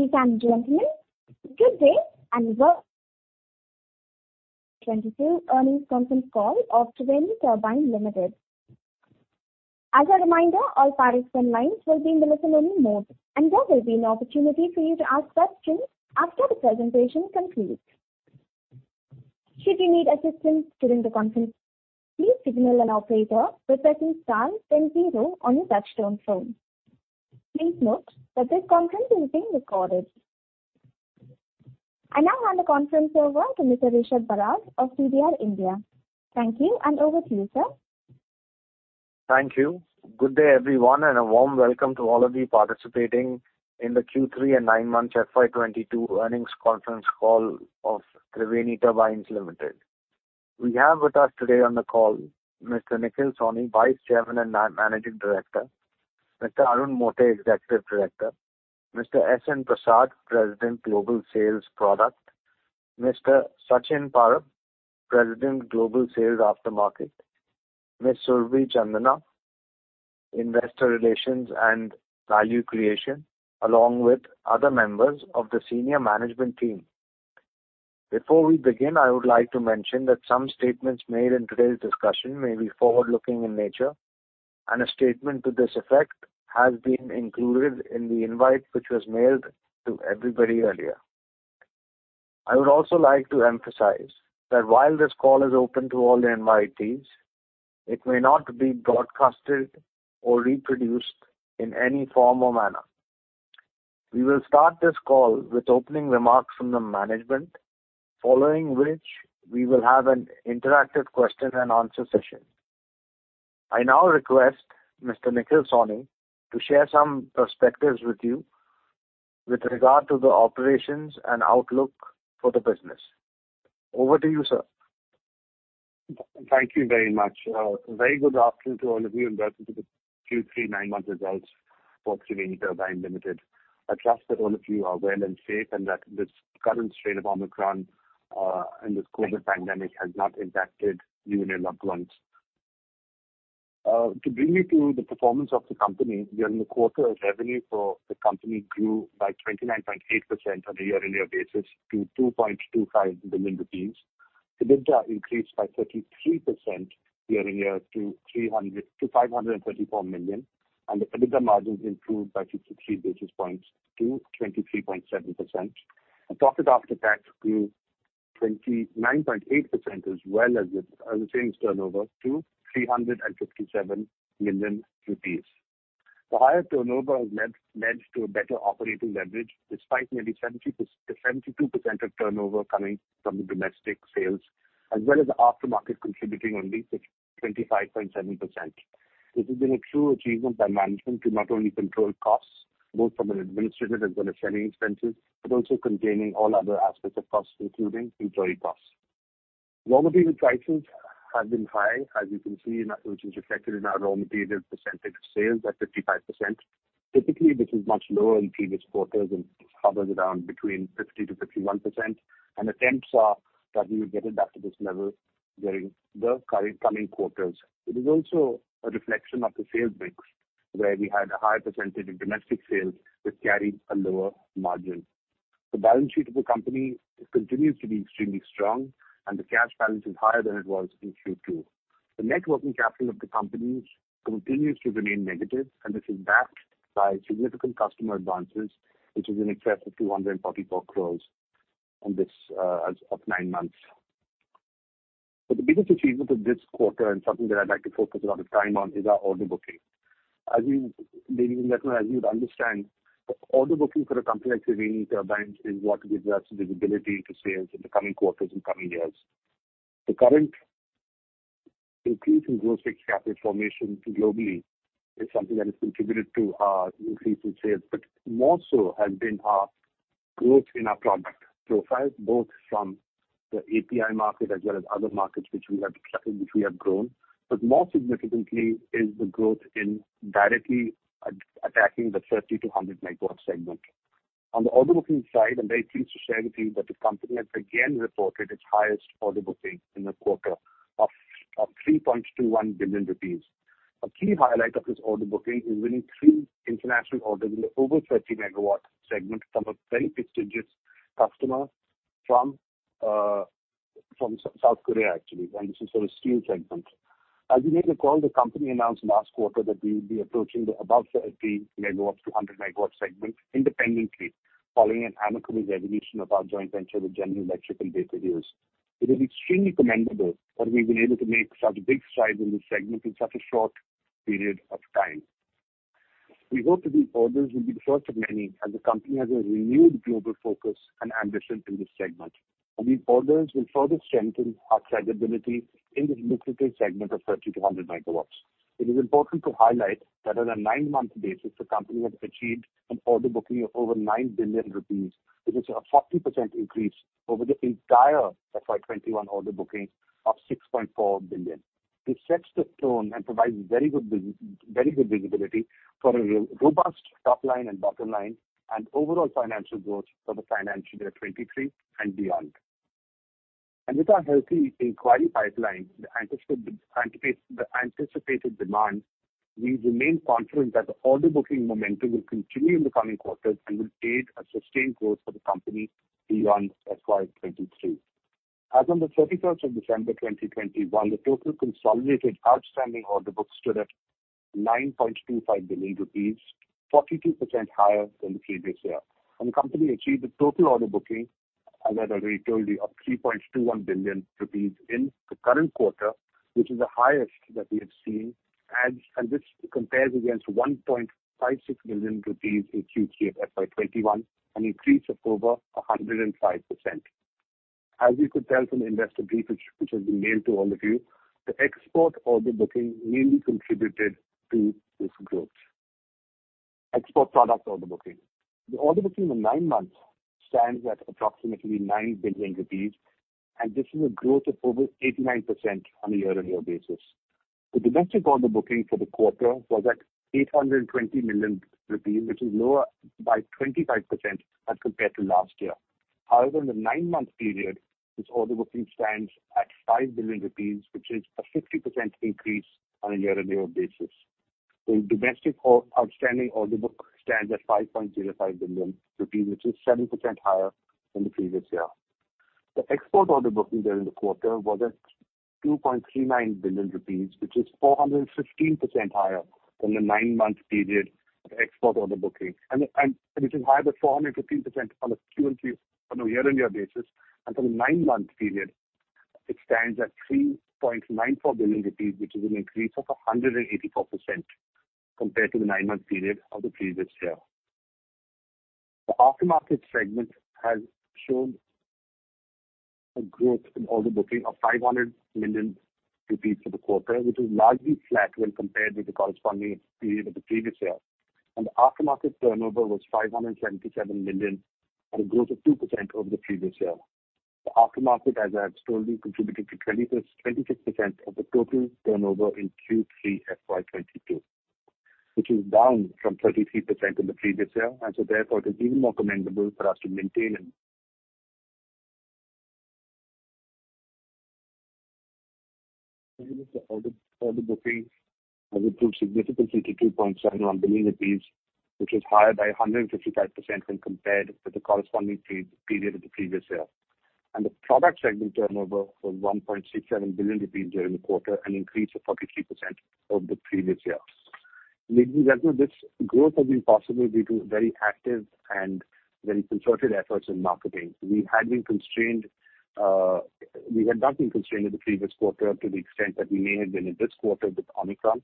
Ladies and gentlemen, good day, and welcome to the 2022 earnings conference call of Triveni Turbine Limited. As a reminder, all participant lines will be in listen-only mode, and there will be an opportunity for you to ask questions after the presentation concludes. Should you need assistance during the conference, please signal an operator by pressing star then zero on your touchtone phone. Please note that this conference is being recorded. I now hand the conference over to Mr. Rishab Barar of CDR India. Thank you, and over to you, sir. Thank you. Good day, everyone, and a warm welcome to all of you participating in the Q3 and nine-months FY 2022 earnings conference call of Triveni Turbine Limited. We have with us today on the call Mr. Nikhil Sawhney, Vice Chairman and Managing Director, Mr. Arun Mote, Executive Director, Mr. S.N. Prasad, President Global Sales Product, Mr. Sachin Parab, President Global Sales Aftermarket, Ms. Surabhi Chandna, Investor Relations and Value Creation, along with other members of the senior management team. Before we begin, I would like to mention that some statements made in today's discussion may be forward-looking in nature, and a statement to this effect has been included in the invite which was mailed to everybody earlier. I would also like to emphasize that while this call is open to all the invitees, it may not be broadcast or reproduced in any form or manner. We will start this call with opening remarks from the management, following which we will have an interactive question and answer session. I now request Mr. Nikhil Sawhney to share some perspectives with you with regard to the operations and outlook for the business. Over to you, sir. Thank you very much. Very good afternoon to all of you, and welcome to the Q3 nine-month results for Triveni Turbine Limited. I trust that all of you are well and safe and that this current strain of Omicron and this COVID pandemic has not impacted you and your loved ones. To bring you to the performance of the company, during the quarter, revenue for the company grew by 29.8% on a year-on-year basis to 2.25 billion rupees. EBITDA increased by 33% year-on-year to 534 million, and the EBITDA margins improved by 53 basis points to 23.7%. Profit after tax grew 29.8% as well as the sales turnover to 357 million rupees. The higher turnover has led to a better operating leverage, despite nearly 72% of turnover coming from the domestic sales, as well as the aftermarket contributing only 25.7%. This has been a true achievement by management to not only control costs, both from an administrative as well as selling expenses, but also containing all other aspects of costs, including employee costs. Raw material prices have been high, which is reflected in our raw material percentage sales at 55%. Typically, this is much lower in previous quarters and hovers around between 50%-51%, and attempts are that we will get it back to this level during the current coming quarters. It is also a reflection of the sales mix, where we had a higher percentage of domestic sales which carried a lower margin. The balance sheet of the company continues to be extremely strong, and the cash balance is higher than it was in Q2. The net working capital of the company continues to remain negative, and this is backed by significant customer advances, which is in excess of 244 crore on this, as of nine months. The biggest achievement of this quarter, and something that I'd like to focus a lot of time on, is our order booking. As you, ladies and gentlemen, as you would understand, order booking for a company like Triveni Turbine is what gives us visibility into sales in the coming quarters and coming years. The current increase in gross fixed capital formation globally is something that has contributed to our increase in sales, but more so has been our growth in our product profile, both from the API market as well as other markets which we have selected, which we have grown, but more significantly is the growth in attacking the 30 MW-100 MW segment. On the order booking side, I'm very pleased to share with you that the company has again reported its highest order booking in the quarter of 3.21 billion rupees. A key highlight of this order booking is winning three international orders in the over 30 MW segment from a very prestigious customer from South Korea, actually, and this is for a steel segment. As we made the call, the company announced last quarter that we would be approaching the above 30 MW-100 MW segment independently, following an amicable resolution of our joint venture with General Electric in days previous. It is extremely commendable that we've been able to make such big strides in this segment in such a short period of time. We hope that these orders will be the first of many, as the company has a renewed global focus and ambition in this segment, and these orders will further strengthen our credibility in this lucrative segment of 30 MW-100 MW. It is important to highlight that on a nine-month basis, the company has achieved an order booking of over 9 billion rupees, which is a 40% increase over the entire FY 2021 order booking of 6.4 billion. This sets the tone and provides very good visibility for a robust top line and bottom line and overall financial growth for FY 2023 and beyond. With our healthy inquiry pipeline, the anticipated demand, we remain confident that the order booking momentum will continue in the coming quarters and will create a sustained growth for the company beyond FY 2023. As of December 31, 2020, while the total consolidated outstanding order book stood at 9.25 billion rupees, 42% higher than the previous year. The company achieved the total order booking, as I've already told you, of 3.21 billion rupees in the current quarter, which is the highest that we have seen, and this compares against 1.56 billion rupees in Q3 of FY 2021, an increase of over 105%. As you could tell from the investor brief which has been mailed to all of you, the export order booking really contributed to this growth. Export product order booking. The order booking in the nine-months stands at approximately 9 billion rupees, and this is a growth of over 89% on a year-on-year basis. The domestic order booking for the quarter was at 820 million rupees, which is lower by 25% as compared to last year. However, in the nine-month period, this order booking stands at 5 billion rupees, which is a 50% increase on a year-on-year basis. The domestic outstanding order book stands at 5.05 billion rupees, which is 7% higher than the previous year. The export order booking during the quarter was at 2.39 billion rupees, which is 415% higher than the nine-month period of export order booking, which is higher by 415% on a year-on-year basis. For the nine-month period, it stands at 3.94 billion rupees, which is an increase of 184% compared to the nine-month period of the previous year. The aftermarket segment has shown a growth in order booking of 500 million rupees for the quarter, which is largely flat when compared with the corresponding period of the previous year. The aftermarket turnover was 577 million, at a growth of 2% over the previous year. The aftermarket, as I've told you, contributed to 25%-26% of the total turnover in Q3 FY 2022, which is down from 33% in the previous year. It is even more commendable for us to maintain and the order booking has improved significantly to 2.71 billion rupees, which is higher by 155% when compared with the corresponding period of the previous year. The product segment turnover was 1.67 billion rupees during the quarter, an increase of 43% over the previous year. Ladies and gentlemen, this growth has been possible due to very active and very concerted efforts in marketing. We had not been constrained in the previous quarter to the extent that we may have been in this quarter with Omicron,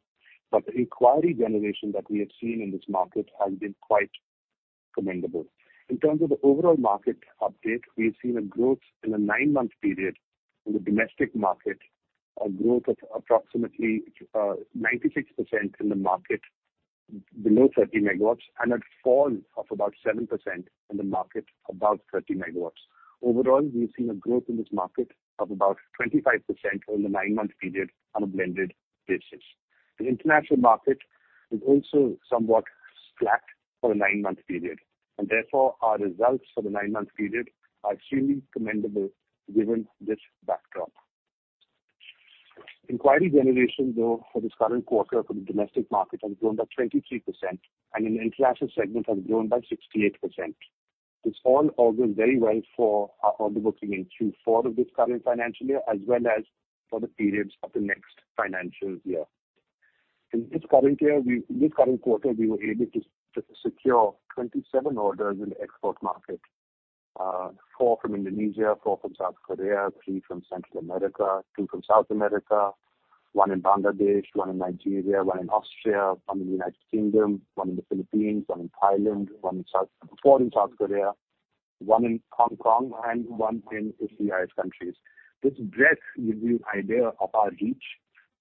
but the inquiry generation that we have seen in this market has been quite commendable. In terms of the overall market update, we've seen a growth in the nine-month period in the domestic market, a growth of approximately 96% in the market below 30 MW, and a fall of about 7% in the market above 30 MW. Overall, we've seen a growth in this market of about 25% over the nine-month period on a blended basis. The international market is also somewhat flat for the nine-month period, and therefore our results for the nine-month period are extremely commendable given this backdrop. Inquiry generation, though, for this current quarter for the domestic market has grown by 23%, and in the international segment has grown by 68%. This all augurs very well for our order booking in Q4 of this current financial year, as well as for the periods of the next financial year. In this current quarter, we were able to secure 27 orders in the export market, four from Indonesia, four from South Korea, three from Central America, two from South America, one in Bangladesh, one in Nigeria, one in Austria, one in the United Kingdom, one in the Philippines, one in Thailand, one in Hong Kong, and one in ECFIA countries. This just gives you an idea of our reach,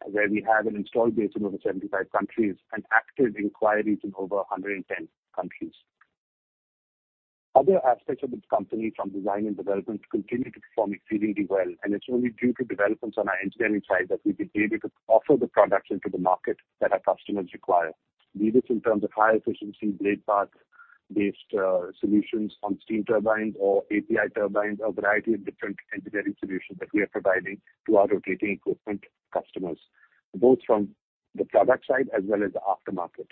where we have an installed base in over 75 countries and active inquiries in over 110 countries. Other aspects of this company from design and development continue to perform exceedingly well, and it's only due to developments on our engineering side that we've been able to offer the products into the market that our customers require. Be this in terms of high efficiency blade path-based solutions on steam turbines or API turbines, a variety of different engineering solutions that we are providing to our rotating equipment customers, both from the product side as well as the aftermarket.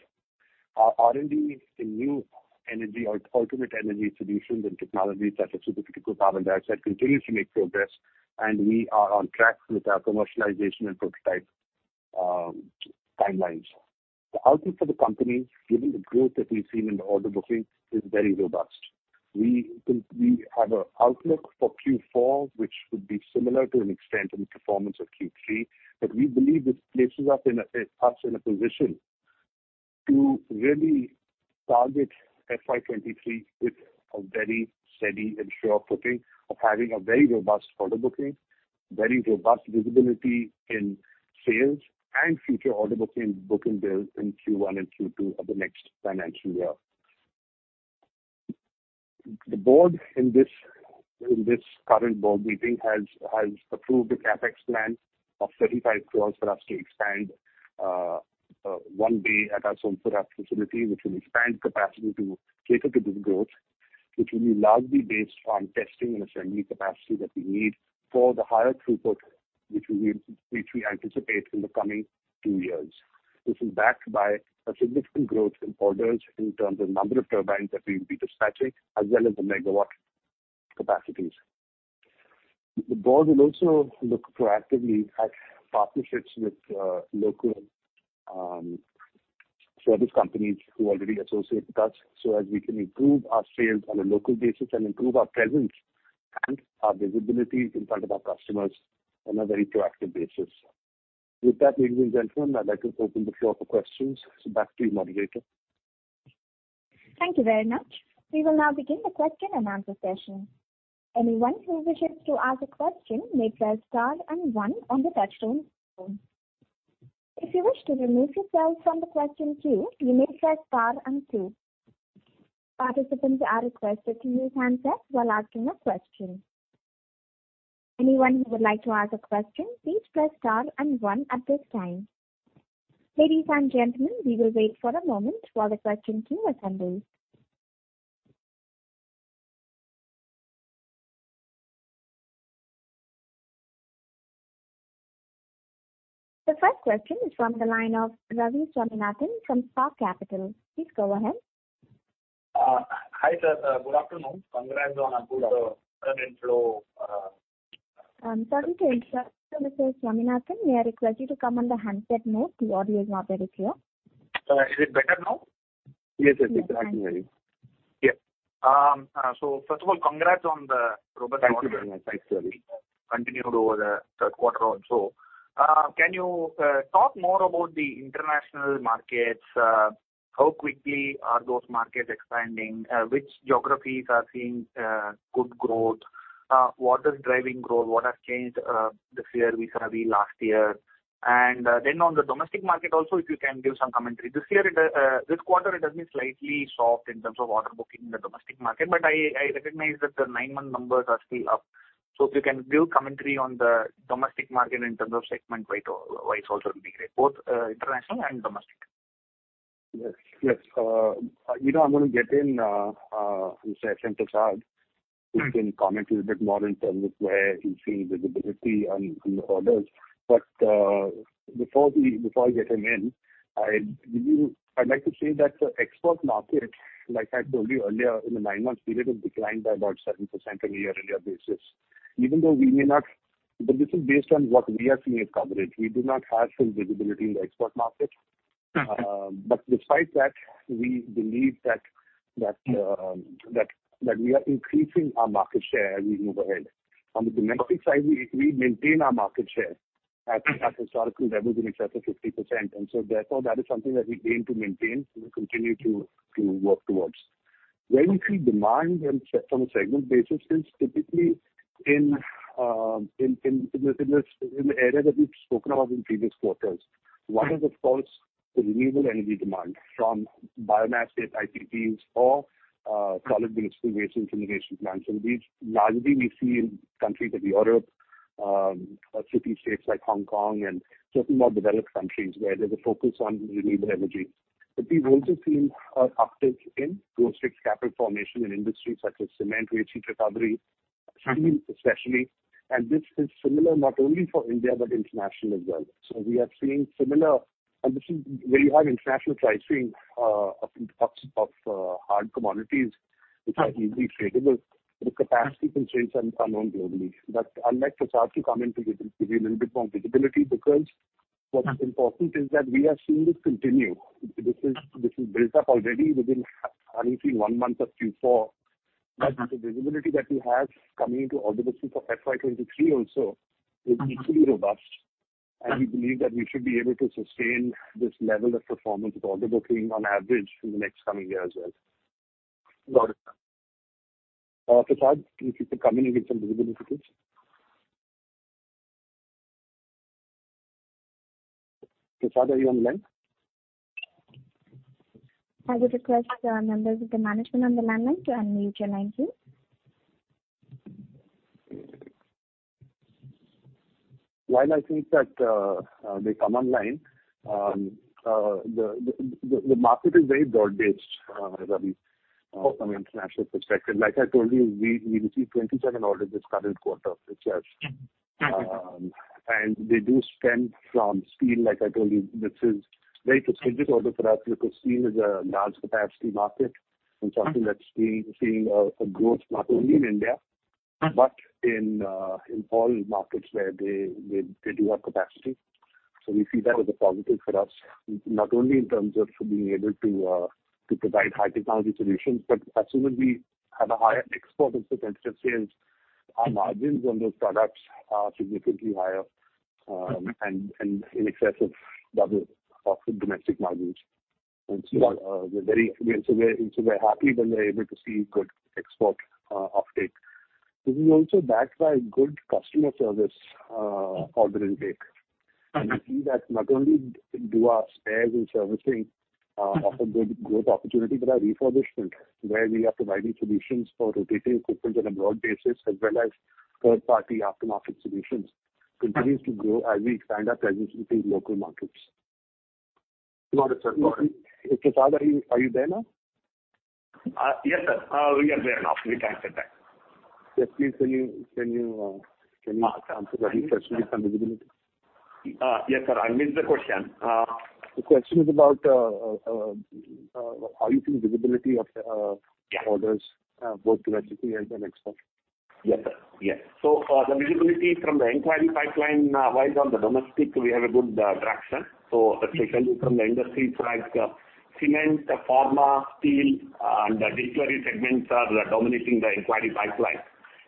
Our R&D in new energy or ultimate energy solutions and technologies such as supercritical CO2 cycles that continues to make progress, and we are on track with our commercialization and prototype timelines. The outlook for the company, given the growth that we've seen in the order booking, is very robust. We have an outlook for Q4, which would be similar to an extent in the performance of Q3, but we believe this places us in a position to really target FY 2023 with a very steady and sure footing of having a very robust order booking, very robust visibility in sales and future order booking build in Q1 and Q2 of the next financial year. The board in this current board meeting has approved a CapEx plan of 35 crore for us to expand one bay at our Sompura facility, which will expand capacity to cater to this growth, which will be largely based on testing and assembly capacity that we need for the higher throughput, which we anticipate in the coming two years. This is backed by a significant growth in orders in terms of number of turbines that we will be dispatching as well as the megawatt capacities. The board will look proactively at partnerships with local service companies who already associate with us so as we can improve our sales on a local basis and improve our presence and our visibility in front of our customers on a very proactive basis. With that, ladies and gentlemen, I'd like to open the floor for questions. Back to you, moderator. Thank you very much. We will now begin the question-and-answer session. Anyone who wishes to ask a question may press star and one on the touchtone phone. If you wish to remove yourself from the question queue, you may press star and two. Participants are requested to use handsets while asking a question. Anyone who would like to ask a question, please press star and one at this time. Ladies and gentlemen, we will wait for a moment while the questions assemble. The first question is from the line of Ravi Swaminathan from Spark Capital. Please go ahead. Hi, sir. Good afternoon. Congrats on a good earnings flow. Sorry to interrupt you, Mr. Swaminathan. May I request you to come on the handset mode? Your audio is not very clear. Is it better now? Yes, it's exactly. Yeah. First of all, congrats on the robust orders- Thank you. Thanks, Ravi. Continued over the third quarter also. Can you talk more about the international markets? How quickly are those markets expanding? Which geographies are seeing good growth? What is driving growth? What has changed this year vis-a-vis last year? Then on the domestic market also, if you can give some commentary. This year, this quarter, it has been slightly soft in terms of order booking in the domestic market, but I recognize that the nine-month numbers are still up. If you can give commentary on the domestic market in terms of segment-wide also would be great, both international and domestic. Yes. You know, I'm gonna get in Mr. S. N. Prasad, who can comment a little bit more in terms of where he's seeing visibility on the orders. Before I get him in, I'd like to say that the export market, like I told you earlier, in the nine-month period, has declined by about 7% on a year-earlier basis. Even though we may not. This is based on what we have seen at Kirloskar. We do not have full visibility in the export market. Despite that, we believe that we are increasing our market share as we move ahead. On the domestic side, we maintain our market share at historical levels in excess of 50%. That is something that we aim to maintain. We will continue to work towards. Where we see demand from a segment basis is typically in the area that we've spoken about in previous quarters. One is, of course, the renewable energy demand from biomass-based IPPs or solid municipal waste incineration plants. These largely we see in countries of Europe, city states like Hong Kong and certain more developed countries where there's a focus on renewable energy. We've also seen an uptick in gross fixed capital formation in industries such as cement, waste heat recovery, steel especially. This is similar not only for India but international as well. We are seeing similar. This is where you have international pricing of hard commodities which are easily tradable. The capacity constraints have come down globally. I'll let Prasad come in to give you a little bit more visibility, because what is important is that we are seeing this continue. This is built up already within, I would say one month of Q4. The visibility that we have coming into order book of FY 2023 also is equally robust, and we believe that we should be able to sustain this level of performance with order booking on average through the next coming year as well. Got it. Prasad, if you could come in and give some visibility please. Prasad, are you on the line? I would request, members of the management on the line to unmute your line please. While I think that they come online, the market is very broad-based, Ravi, from an international perspective. Like I told you, we received 27 orders this current quarter itself. They do stem from steel. Like I told you, this is very strategic order for us because steel is a large capacity market and something that's seeing a growth not only in India but in all markets where they do have capacity. We see that as a positive for us, not only in terms of being able to provide high technology solutions, but assuming we have a higher export of the kinds of sales, our margins on those products are significantly higher, and in excess of double of the domestic margins. We're happy when we're able to see good export uptake. This is also backed by good customer service, order intake. We see that not only do our spares and servicing offer good growth opportunity to our refurbishment, where we are providing solutions for rotating equipment on a broad basis, as well as third-party aftermarket solutions continue to grow as we expand our presence into these local markets. Got it, sir. Go ahead. Prasad, are you there now? Yes, sir. We are there now. We can hear that. Yes, please. Can you answer that question with some visibility? Yes, sir, I missed the question. The question is about how you see visibility of orders, both domestically as well as export. Yes, sir. Yes. The visibility from the inquiry pipeline wise on the domestic, we have a good traction. Especially from the industries like, cement, pharma, steel, and distillery segments are dominating the inquiry pipeline.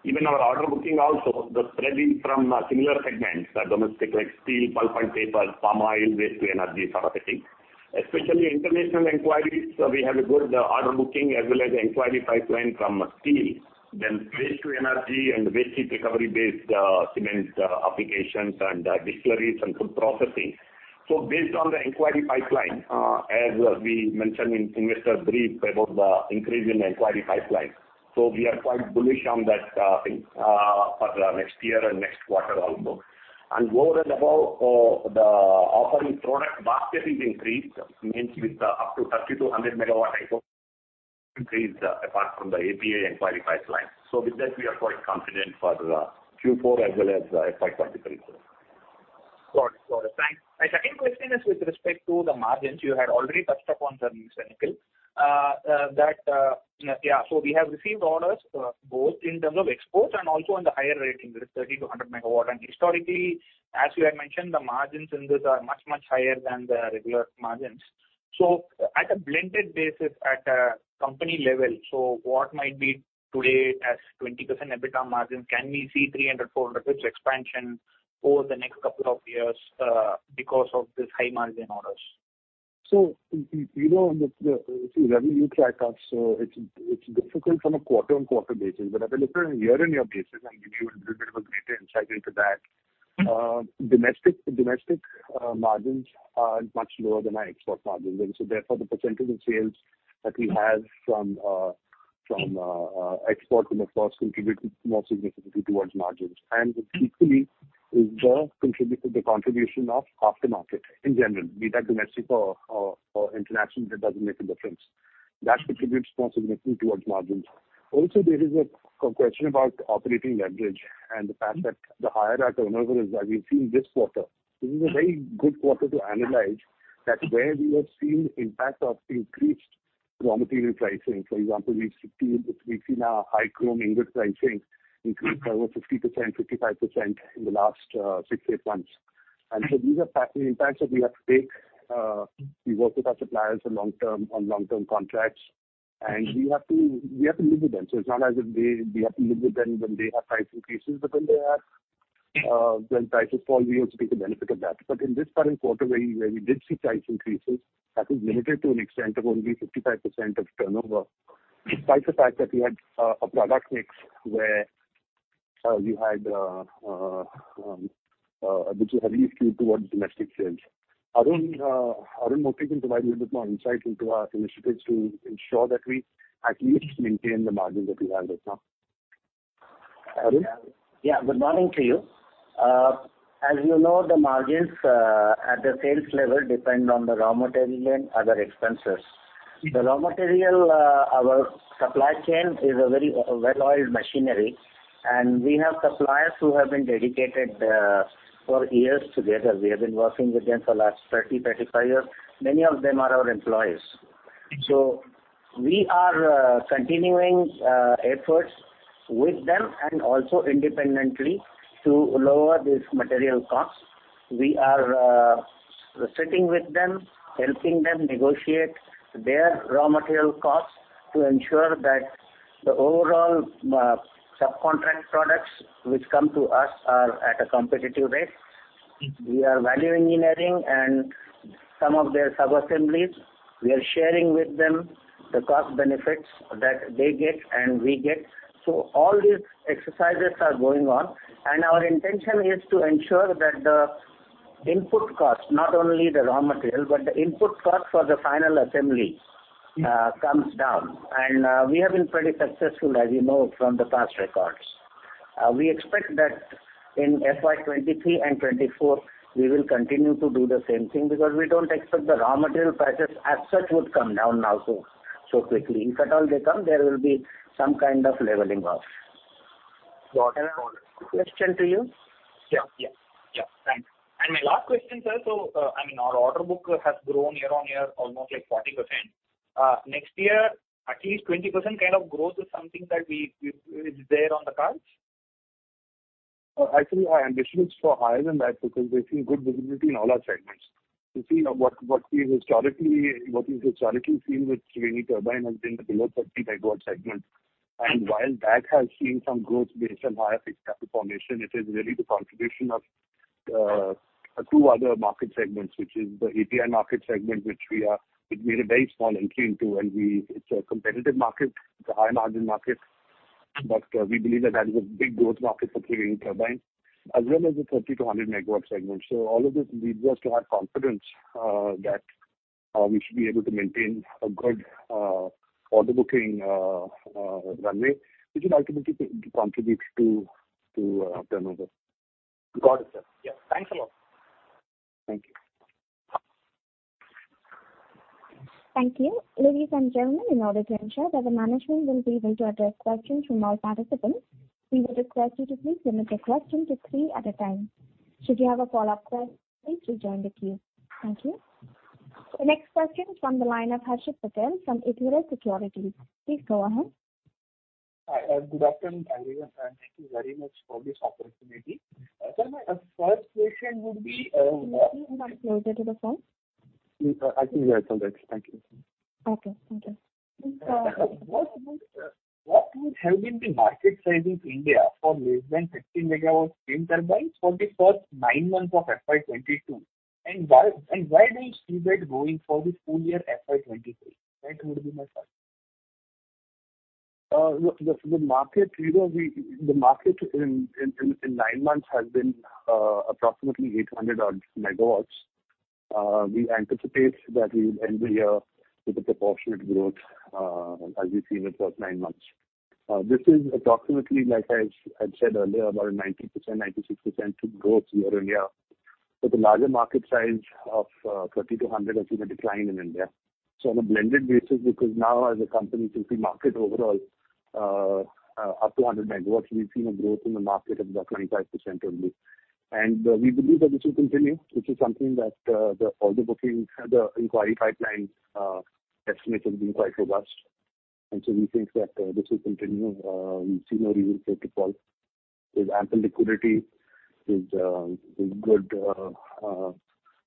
Even our order booking also, the spread is from similar segments, domestic like steel, pulp and paper, pharma, waste to energy, sort of thing. Especially international inquiries, we have a good order booking as well as inquiry pipeline from steel, then waste to energy and waste heat recovery based, cement, applications and distilleries and food processing. Based on the inquiry pipeline, as we mentioned in investor brief about the increase in inquiry pipeline. We are quite bullish on that thing for the next year and next quarter also. Moreover, the overall product basket is increased, meaning with up to 30 MW-100 MW increase apart from the API inquiry pipeline. With that, we are quite confident for Q4 as well as FY 2023. Got it. Thanks. My second question is with respect to the margins. You had already touched upon the same, Nikhil. We have received orders, both in terms of exports and also on the higher rating, the 30 MW-100 MW. Historically, as you had mentioned, the margins in this are much, much higher than the regular margins. At a blended basis at a company level, what might be today as 20% EBITDA margin, can we see 300 basis points-400 basis points expansion over the next couple of years, because of this high margin orders? You know the revenue tracked up, it's difficult from a quarter-on-quarter basis. If I look at a year-on-year basis, I'll give you a little bit of a greater insight into that. Domestic margins are much lower than our export margins. Therefore, the percentage of sales that we have from export will of course contribute more significantly towards margins. Equally, the contribution of aftermarket in general, be that domestic or international, that doesn't make a difference. That contributes more significantly towards margins. Also, there is a question about operating leverage and the fact that the higher our turnover is that we've seen this quarter. This is a very good quarter to analyze that where we have seen impact of increased raw material pricing. For example, we've seen our high chrome ingot pricing increase over 50%, 55% in the last six to eight months. These are factors, impacts that we have to take. We work with our suppliers for long term, on long term contracts, and we have to live with them. It's not as if we have to live with them when they have price increases, but when prices fall, we also take the benefit of that. In this current quarter where we did see price increases, that is limited to an extent of only 55% of turnover, despite the fact that we had a product mix which is heavily skewed towards domestic sales. Arun Mote can provide a little more insight into our initiatives to ensure that we at least maintain the margins that we have right now. Arun? Yeah. Good morning to you. As you know, the margins at the sales level depend on the raw material and other expenses. The raw material, our supply chain is a very well-oiled machinery, and we have suppliers who have been dedicated for years together. We have been working with them for the last 30-35 years. Many of them are our employees. We are continuing efforts with them and also independently to lower this material costs. We are sitting with them, helping them negotiate their raw material costs to ensure that the overall subcontract products which come to us are at a competitive rate. We are value engineering and some of their subassemblies, we are sharing with them the cost benefits that they get and we get. All these exercises are going on, and our intention is to ensure that the input costs, not only the raw material, but the input cost for the final assembly, comes down. We have been pretty successful, as you know, from the past records. We expect that in FY 2023 and 2024, we will continue to do the same thing because we don't expect the raw material prices as such would come down now so quickly. If at all they come, there will be some kind of leveling off. Got it. Any other question to you? Yeah. Thanks. My last question, sir. I mean, our order book has grown year-on-year almost like 40%. Next year, at least 20% kind of growth is something that is there on the cards? Actually, our ambition is for higher than that because we're seeing good visibility in all our segments. You see what we've historically seen with Triveni Turbine has been the below 30 MW segment. While that has seen some growth based on higher fixed capital formation, it is really the contribution of two other market segments, which is the API market segment, which we made a very small entry into, and it's a competitive market, it's a high margin market. We believe that that is a big growth market for 3 MW turbine, as well as the 30 MW-100 MW segment. All of this leads us to have confidence that we should be able to maintain a good order booking runway, which will ultimately contribute to the numbers. Got it, sir. Yeah. Thanks a lot. Thank you. Thank you. Ladies and gentlemen, in order to ensure that the management will be able to address questions from all participants, we would request you to please limit your question to three at a time. Should you have a follow-up question, please rejoin the queue. Thank you. The next question is from the line of Harshit Patel from Equirus. Please go ahead. Hi, good afternoon, everyone. Thank you very much for this opportunity. Sir, my first question would be, Can you please come closer to the phone? Yes, I can hear it now. Thank you. Okay. Thank you. What would have been the market size in India for less than 30 MW steam turbines for the first nine months of FY 2022, and why, and where do you see that going for this full-year, FY 2023? That would be my first. The market, you know, in nine months has been approximately 800 odd MW. We anticipate that we would end the year with a proportionate growth as we've seen in the first nine months. This is approximately, like I've said earlier, about 90%, 96% growth year-on-year. The larger market size of 30 MW-100 MW has seen a decline in India. On a blended basis, because now as a company, since the market overall up to 100 MW, we've seen a growth in the market of approximately 5% only. We believe that this will continue, which is something that the order bookings and the inquiry pipeline estimates have been quite robust. We think that this will continue. We see no reason for it to fall. There's ample liquidity. There's good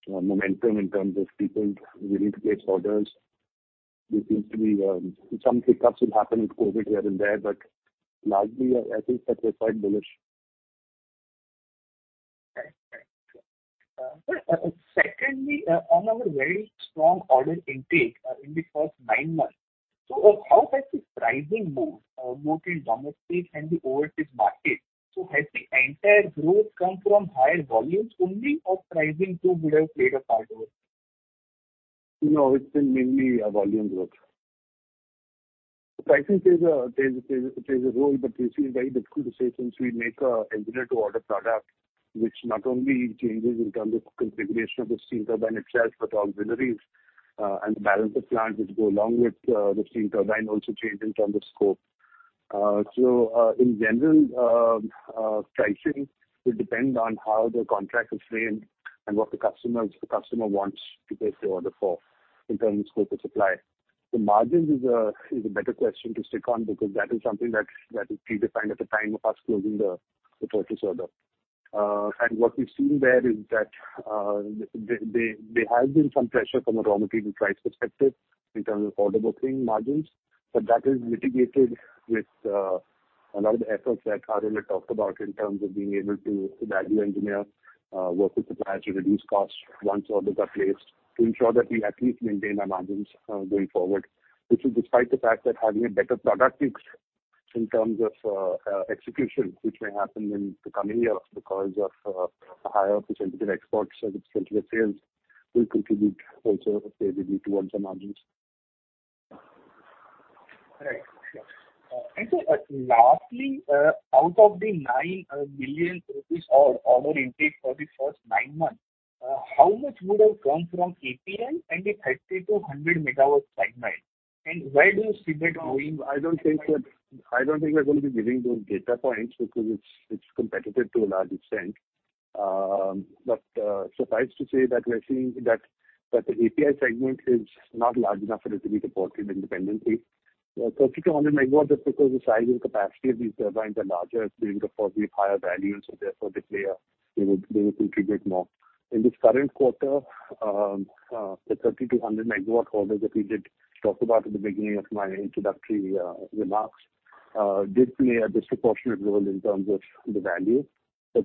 momentum in terms of people willing to place orders. There seems to be some hiccups will happen with COVID here and there, but largely, I think that we're quite bullish. Right. Thank you. Sir, secondly, on our very strong order intake in the first nine months, how has the pricing moved both in domestic and the overseas market? Has the entire growth come from higher volumes only or pricing too would have played a part over here? No, it's been mainly a volume growth. Pricing plays a role, but this is very difficult to say since we make an engineer-to-order product, which not only changes in terms of configuration of the steam turbine itself, but auxiliaries and the balance of plant which go along with the steam turbine also change in terms of scope. In general, pricing will depend on how the contract is framed and what the customer wants to place the order for in terms of scope of supply. The margins is a better question to stick on because that is something that is predefined at the time of us closing the purchase order. What we've seen there is that, there has been some pressure from a raw material price perspective in terms of order booking margins, but that is mitigated with a lot of the efforts that RML talked about in terms of being able to value engineer, work with suppliers to reduce costs once orders are placed to ensure that we at least maintain our margins going forward. This is despite the fact that having a better product mix in terms of execution, which may happen in the coming year because of a higher percentage of exports or percentage of sales will contribute also positively towards the margins. Right. Sure. Lastly, out of the 9 billion rupees of order intake for the first nine months, how much would have come from API and the 30 MW-100 MW segment? Where do you see that going? I don't think we're going to be giving those data points because it's competitive to a large extent. Suffice to say that we're seeing that the API segment is not large enough for it to be reported independently. 30 MW-100 MW, just because the size and capacity of these turbines are larger, it's going to afford me higher value, and so therefore they would contribute more. In this current quarter, the 30 MW-100 MW orders that we did talk about at the beginning of my introductory remarks did play a disproportionate role in terms of the value.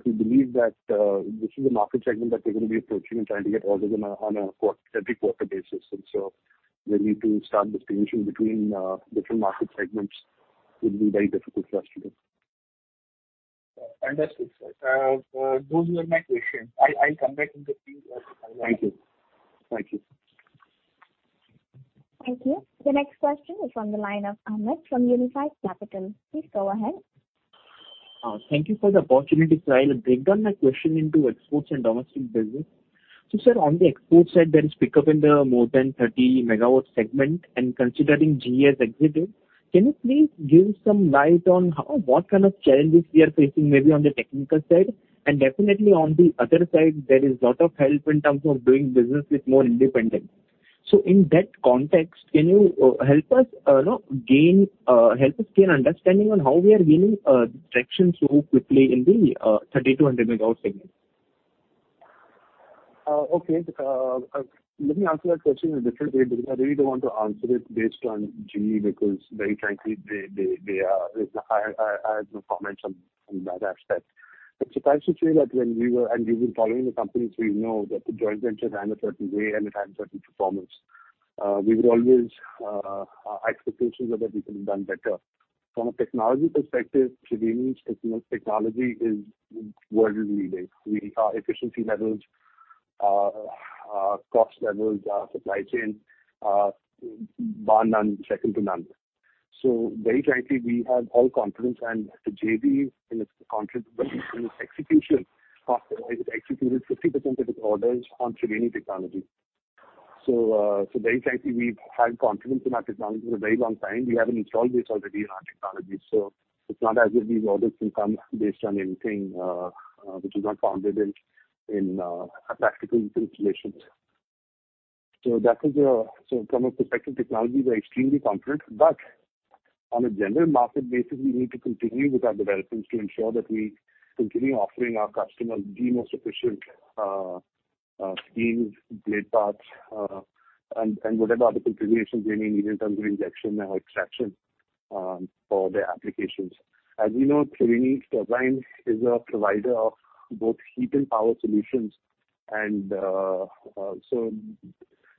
We believe that this is a market segment that we're gonna be approaching and trying to get orders on a every quarter basis. The need to start distinguishing between different market segments would be very difficult for us to do. Understood, sir. Those were my questions. I'll come back in the queue as and when I want. Thank you. Thank you. Thank you. The next question is from the line of Ahmed from Unifi Capital. Please go ahead. Thank you for the opportunity. I'll break down my question into exports and domestic business. Sir, on the export side, there is pickup in the more than 30 MW segment, and considering GE has exited, can you please throw some light on how, what kind of challenges we are facing maybe on the technical side? Definitely on the other side, there is lot of help in terms of doing business with more independents. In that context, can you help us, you know, gain understanding on how we are gaining traction so quickly in the 30 MW-100 MW segment? Okay. Let me answer that question in a different way because I really don't want to answer it based on GE because very frankly they are. I have no comments on that aspect. Suffice to say we've been following the company, so we know that the joint venture ran a certain way and it had a certain performance. We would always our expectations are that we could have done better. From a technology perspective, Triveni's technology is world-leading. Our efficiency levels, our cost levels, our supply chain, bar none, second to none. Very frankly, we have all confidence and the JV in its confidence, but in its execution of it executed 50% of its orders on Triveni technology. Very frankly, we've had confidence in our technology for a very long time. We have installed this already in our technology, so it's not as if these orders can come based on anything which is not founded in practical installations. That is from a technology perspective, we're extremely confident. On a general market basis, we need to continue with our developments to ensure that we continue offering our customers the most efficient schemes, blade parts, and whatever other configurations they may need in terms of injection or extraction for their applications. As we know, Triveni Turbine is a provider of both heat and power solutions.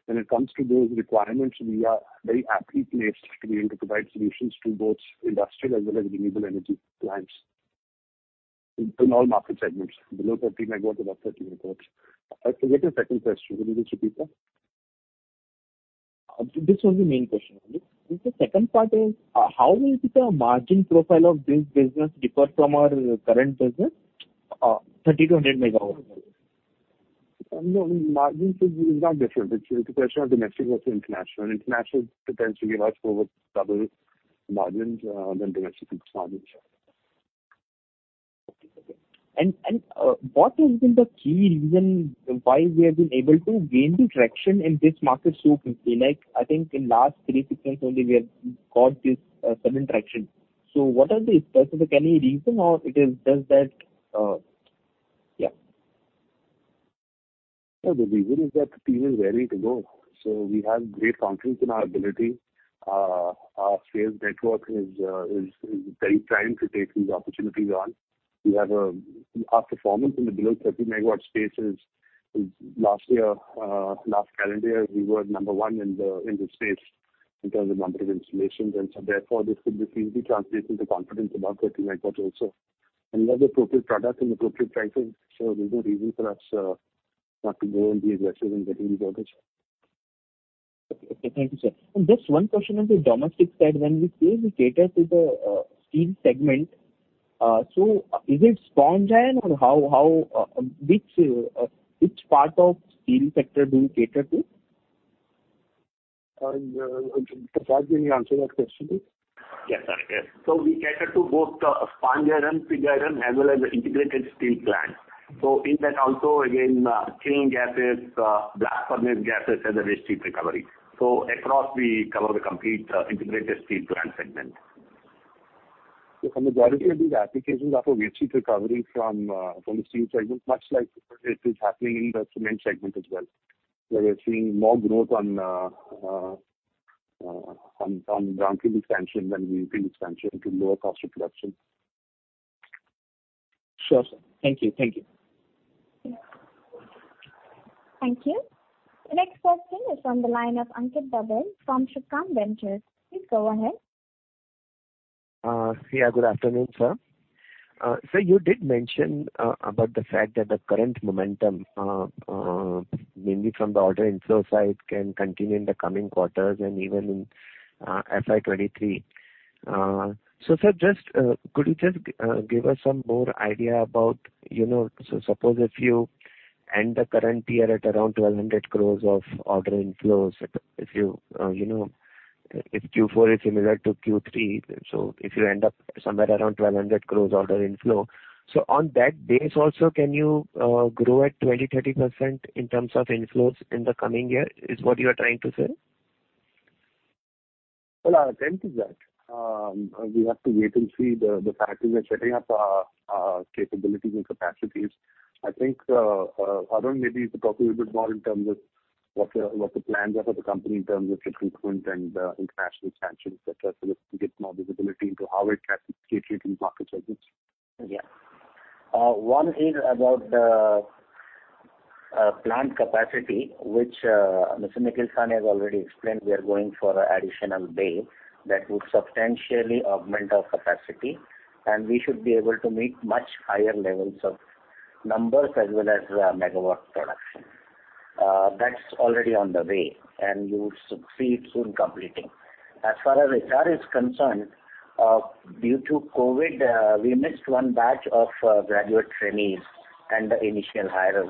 When it comes to those requirements, we are very aptly placed to be able to provide solutions to both industrial as well as renewable energy clients in all market segments, below 30 MW. What is your second question? Will you repeat that? This was the main question only. The second part is, how will the margin profile of this business differ from our current business, 30 MW-100 MW? No, margin is not different. It's a question of domestic versus international. International tends to give us over double margins than domestic margins. Okay. What has been the key reason why we have been able to gain the traction in this market so quickly? Like, I think in last three, six months only we have got this sudden traction. What are the specific, any reason or it is just that. No, the reason is that the team is raring to go. We have great confidence in our ability. Our sales network is very primed to take these opportunities on. We have our performance in the below 30 MW space. Last year, last calendar year, we were number one in this space in terms of number of installations. Therefore this could be easily translated to confidence above 30 MW also. We have the appropriate product and appropriate pricing, so there's no reason for us not to go and be aggressive in getting the orders. Okay. Thank you, sir. Just one question on the domestic side. When we say we cater to the steel segment, so is it sponge iron or which part of steel sector do you cater to? Prasad, will you answer that question please? Yes, sir. Yes. We cater to both the sponge iron, pig iron, as well as the integrated steel plant. In that also again, kiln gases, blast furnace gases and the waste heat recovery. Across we cover the complete, integrated steel plant segment. Majority of these applications are for waste heat recovery from the steel segment, much like it is happening in the cement segment as well, where we're seeing more growth on brownfield expansion than greenfield expansion to lower cost of production. Sure, sir. Thank you. Thank you. Thank you. The next question is from the line of Ankit Babel from Subhkam Ventures. Please go ahead. Good afternoon, sir. Sir, you did mention about the fact that the current momentum mainly from the order inflow side can continue in the coming quarters and even in FY 2023. Sir, just could you just give us some more idea about, you know, so suppose if you end the current year at around 1,200 crore of order inflows, you know, if Q4 is similar to Q3, so if you end up somewhere around 1,200 crore order inflow. On that base also, can you grow at 20%-30% in terms of inflows in the coming year, is what you are trying to say? Well, our intent is that. We have to wait and see. The fact is we are setting up our capabilities and capacities. I think Arun maybe could talk a little bit more in terms of what the plans are for the company in terms of recruitment and international expansion, et cetera. Just to get more visibility into how it can situate in market segments. Yeah. One is about the plant capacity, which Mr. Nikhil Sawhney has already explained. We are going for additional bay that would substantially augment our capacity, and we should be able to meet much higher levels of numbers as well as megawatt production. That's already on the way, and we would succeed soon completing. As far as HR is concerned, due to COVID, we missed one batch of graduate trainees and the initial hires,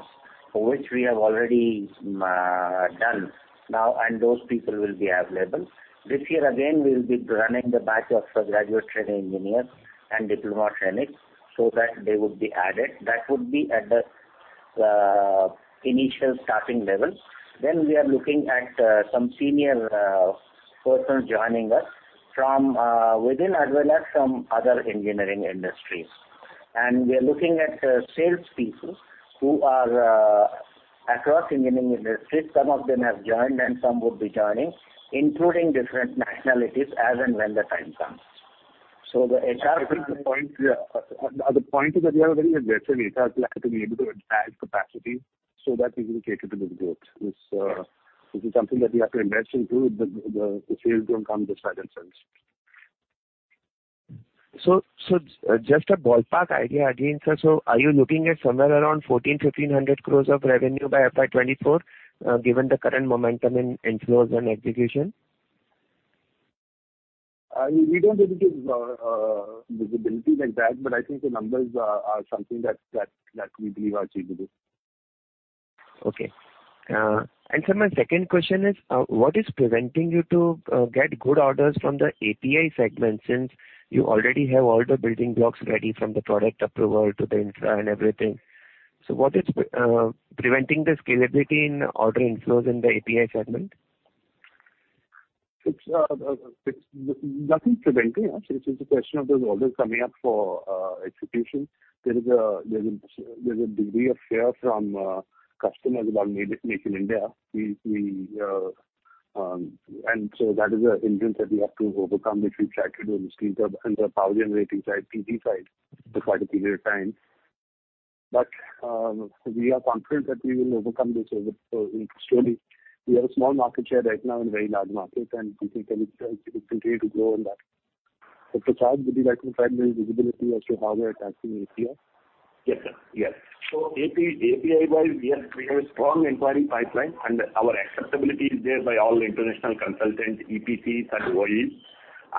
for which we have already done now, and those people will be available. This year again, we'll be running the batch of graduate training engineers and diploma trainees so that they would be added. That would be at the initial starting levels. Then we are looking at some senior persons joining us from within as well as from other engineering industries. We are looking at sales people who are across engineering industries. Some of them have joined and some would be joining, including different nationalities as and when the time comes. The HR. I think the point, yeah, the point is that we have a very aggressive HR plan to be able to add capacity so that we will cater to this growth. This is something that we have to invest into. The sales don't come just by themselves. Just a ballpark idea again, sir. Are you looking at somewhere around 1,400 crore-1,500 crore of revenue by FY 2024, given the current momentum in inflows and execution? We don't really give visibility like that, but I think the numbers are something that we believe are achievable. Okay. Sir, my second question is, what is preventing you to get good orders from the API segment, since you already have all the building blocks ready from the product approval to the infra and everything? What is preventing the scalability in order inflows in the API segment? It's nothing preventing us. It is a question of those orders coming up for execution. There's a degree of fear from customers about Make in India. That is a hindrance that we have to overcome, which we've tried to do in the power generating side, PG side, for quite a period of time. We are confident that we will overcome this over slowly. We have a small market share right now in a very large market, and we think that it will continue to grow on that. Prasad, would you like to add any visibility as to how we are attacking API? Yes, sir. Yes. API wise, we have a strong inquiry pipeline, and our acceptability is there by all international consultants, EPCs and OEMs,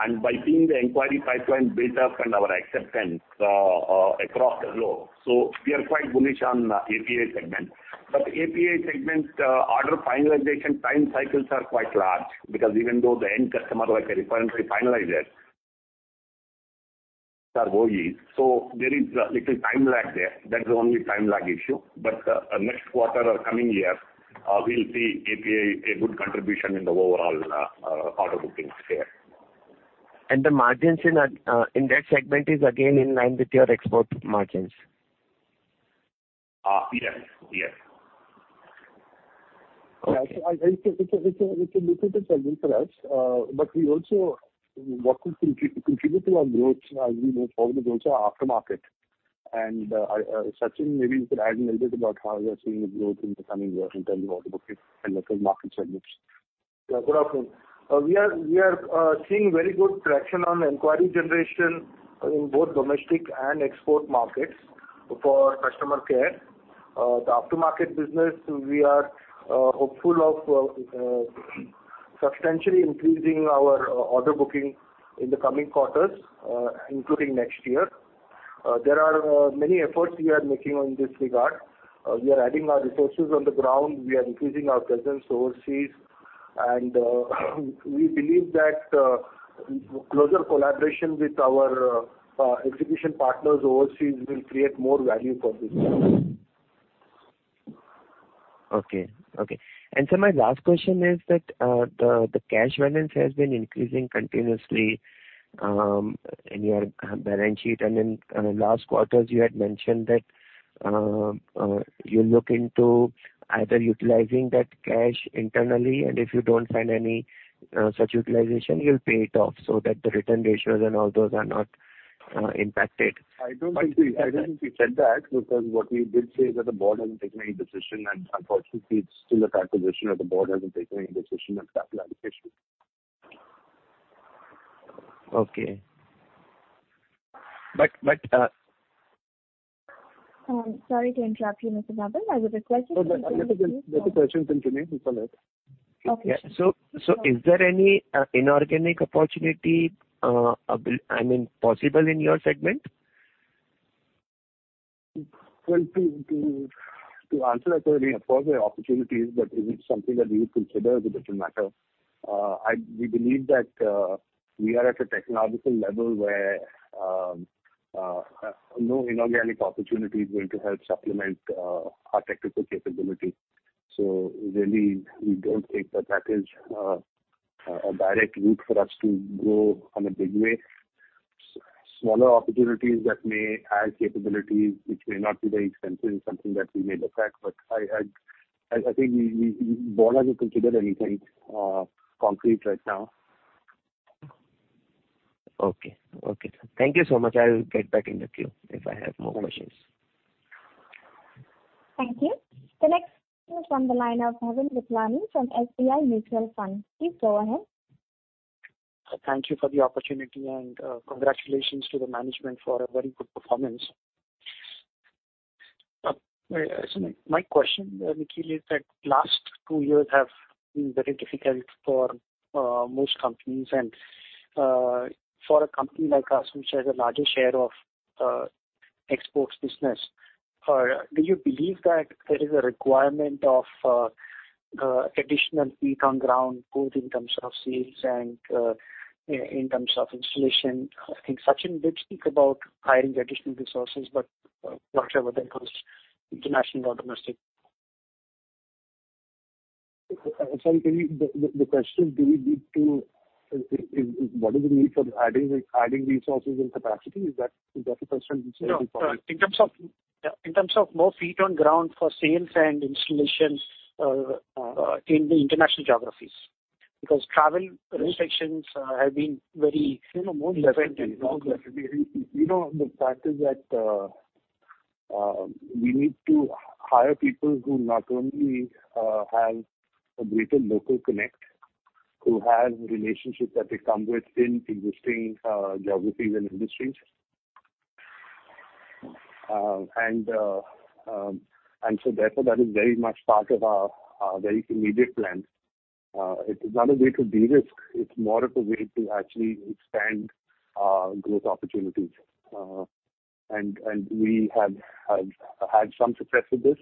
and by seeing the inquiry pipeline build up and our acceptance across the globe. We are quite bullish on API segment. API segment order finalization time cycles are quite large because even though the end customer like a refinery, finalizers are OEMs, there is a little time lag there. That's the only time lag issue. Next quarter or coming year, we'll see API a good contribution in the overall order bookings here. The margins in that segment is again in line with your export margins? Yes. Yes. Yeah. It's a lucrative segment for us. What could contribute to our growth as we move forward? Those are aftermarket. Sachin, maybe you could add a little bit about how we are seeing the growth in the coming year in terms of order bookings and local market segments. Yeah. Good afternoon. We are seeing very good traction on inquiry generation in both domestic and export markets for customer care. The aftermarket business, we are hopeful of substantially increasing our order booking in the coming quarters, including next year. There are many efforts we are making in this regard. We are adding our resources on the ground. We are increasing our presence overseas, and we believe that closer collaboration with our execution partners overseas will create more value for this. Sir, my last question is that the cash balance has been increasing continuously in your balance sheet. Then in the last quarters, you had mentioned that you'll look into either utilizing that cash internally and if you don't find any such utilization, you'll pay it off so that the return ratios and all those are not impacted. I don't think we said that because what we did say is that the board hasn't taken any decision, and unfortunately it's still the factual position that the board hasn't taken any decision on capital allocation. Okay. Sorry to interrupt you, Mr. Babel. I would request you to conclude, please. No, let the questions continue. It's all right. Okay, sure. Yeah. Is there any inorganic opportunity, I mean, possible in your segment? Well, to answer that query, of course, there are opportunities, but is it something that we would consider is a different matter. We believe that we are at a technological level where no inorganic opportunity is going to help supplement our technical capability. Really, we don't think that is a direct route for us to grow in a big way. Smaller opportunities that may add capabilities which may not be very expensive is something that we may look at. I think the board hasn't considered anything concrete right now. Okay. Okay, sir. Thank you so much. I'll get back in the queue if I have more questions. Thank you. The next is from the line of Navin Wadhwani from SBI Mutual Fund. Please go ahead. Thank you for the opportunity and congratulations to the management for a very good performance. My question, Nikhil, is that last two years have been very difficult for most companies. For a company like us which has a larger share of exports business, do you believe that there is a requirement of additional feet on ground, both in terms of sales and in terms of installation? I think Sachin did speak about hiring additional resources, but whatever that comes, international or domestic. The question is what is the need for adding resources and capacity? Is that the question which you're looking for? No. In terms of, yeah, in terms of more feet on ground for sales and installations in the international geographies. Because travel restrictions have been very effective. You know, more definitely. No, definitely. We know the fact is that we need to hire people who not only have a greater local connect, who have relationships that they come with in existing geographies and industries. Therefore, that is very much part of our very immediate plans. It's not a way to de-risk. It's more of a way to actually expand growth opportunities. We have had some success with this,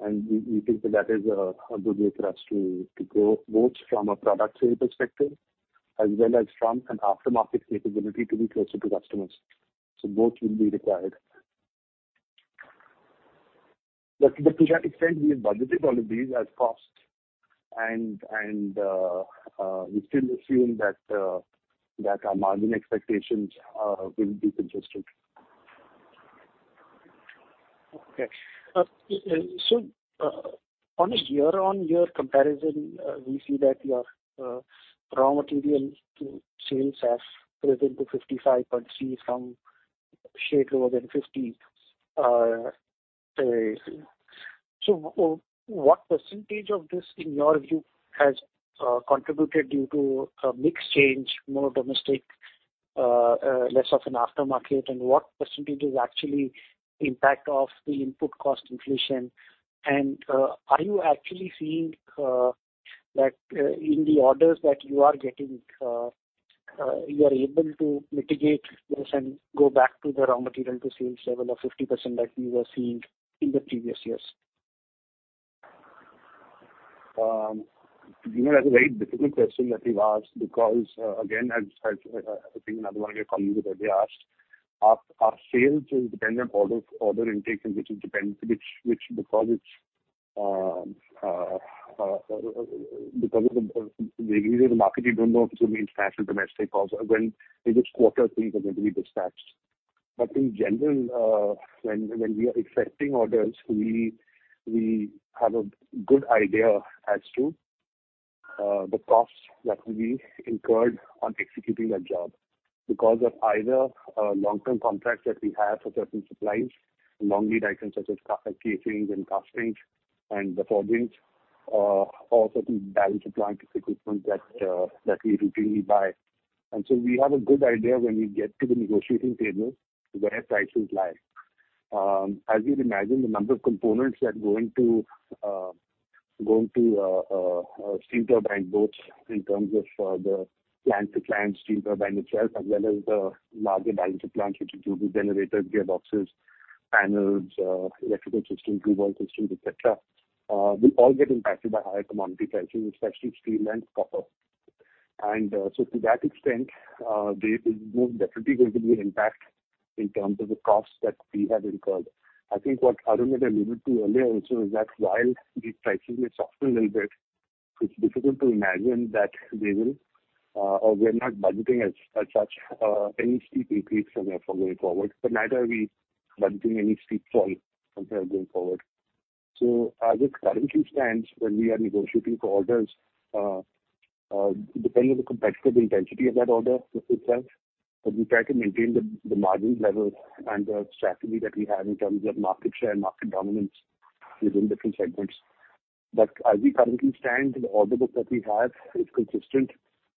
and we think that is a good way for us to grow both from a product sales perspective as well as from an aftermarket capability to be closer to customers. Both will be required. To that extent, we have budgeted all of these as costs and we still assume that our margin expectations will be consistent. On a year-on-year comparison, we see that your raw material sales have risen to 55.3% from a shade lower than 50%. What percentage of this in your view has contributed due to a mix change, more domestic, less of an aftermarket? What percentage is actually impact of the input cost inflation? Are you actually seeing that in the orders that you are getting, you are able to mitigate this and go back to the raw material to sales level of 50% that we were seeing in the previous years? You know, that's a very difficult question that you've asked because, again, as I think another one of your colleagues has already asked, our sales is dependent on order intake, and which is dependent on which, because of the nature of the market, we don't know if it's going to be international, domestic, also when in which quarter things are going to be dispatched. In general, when we are accepting orders, we have a good idea as to the costs that will be incurred on executing that job because of either long-term contracts that we have for certain supplies, long lead items such as copper casings and castings and the forgings, or certain balance of plant equipment that we routinely buy. We have a good idea when we get to the negotiating table where prices lie. As you'd imagine, the number of components that go into a steam turbine both in terms of the plant steam turbine itself, as well as the larger balance of plant, which include the generators, gearboxes, panels, electrical system, control systems, et cetera, will all get impacted by higher commodity prices, especially steel and copper. To that extent, there is definitely going to be an impact in terms of the costs that we have incurred. I think what Arun had alluded to earlier also is that while these prices may soften a little bit, it's difficult to imagine that they will or we're not budgeting as such any steep increase from here going forward, but neither are we budgeting any steep fall from here going forward. As it currently stands, when we are negotiating for orders, depending on the competitive intensity of that order itself, but we try to maintain the margin levels and the strategy that we have in terms of market share and market dominance within different segments. As we currently stand, the order book that we have is consistent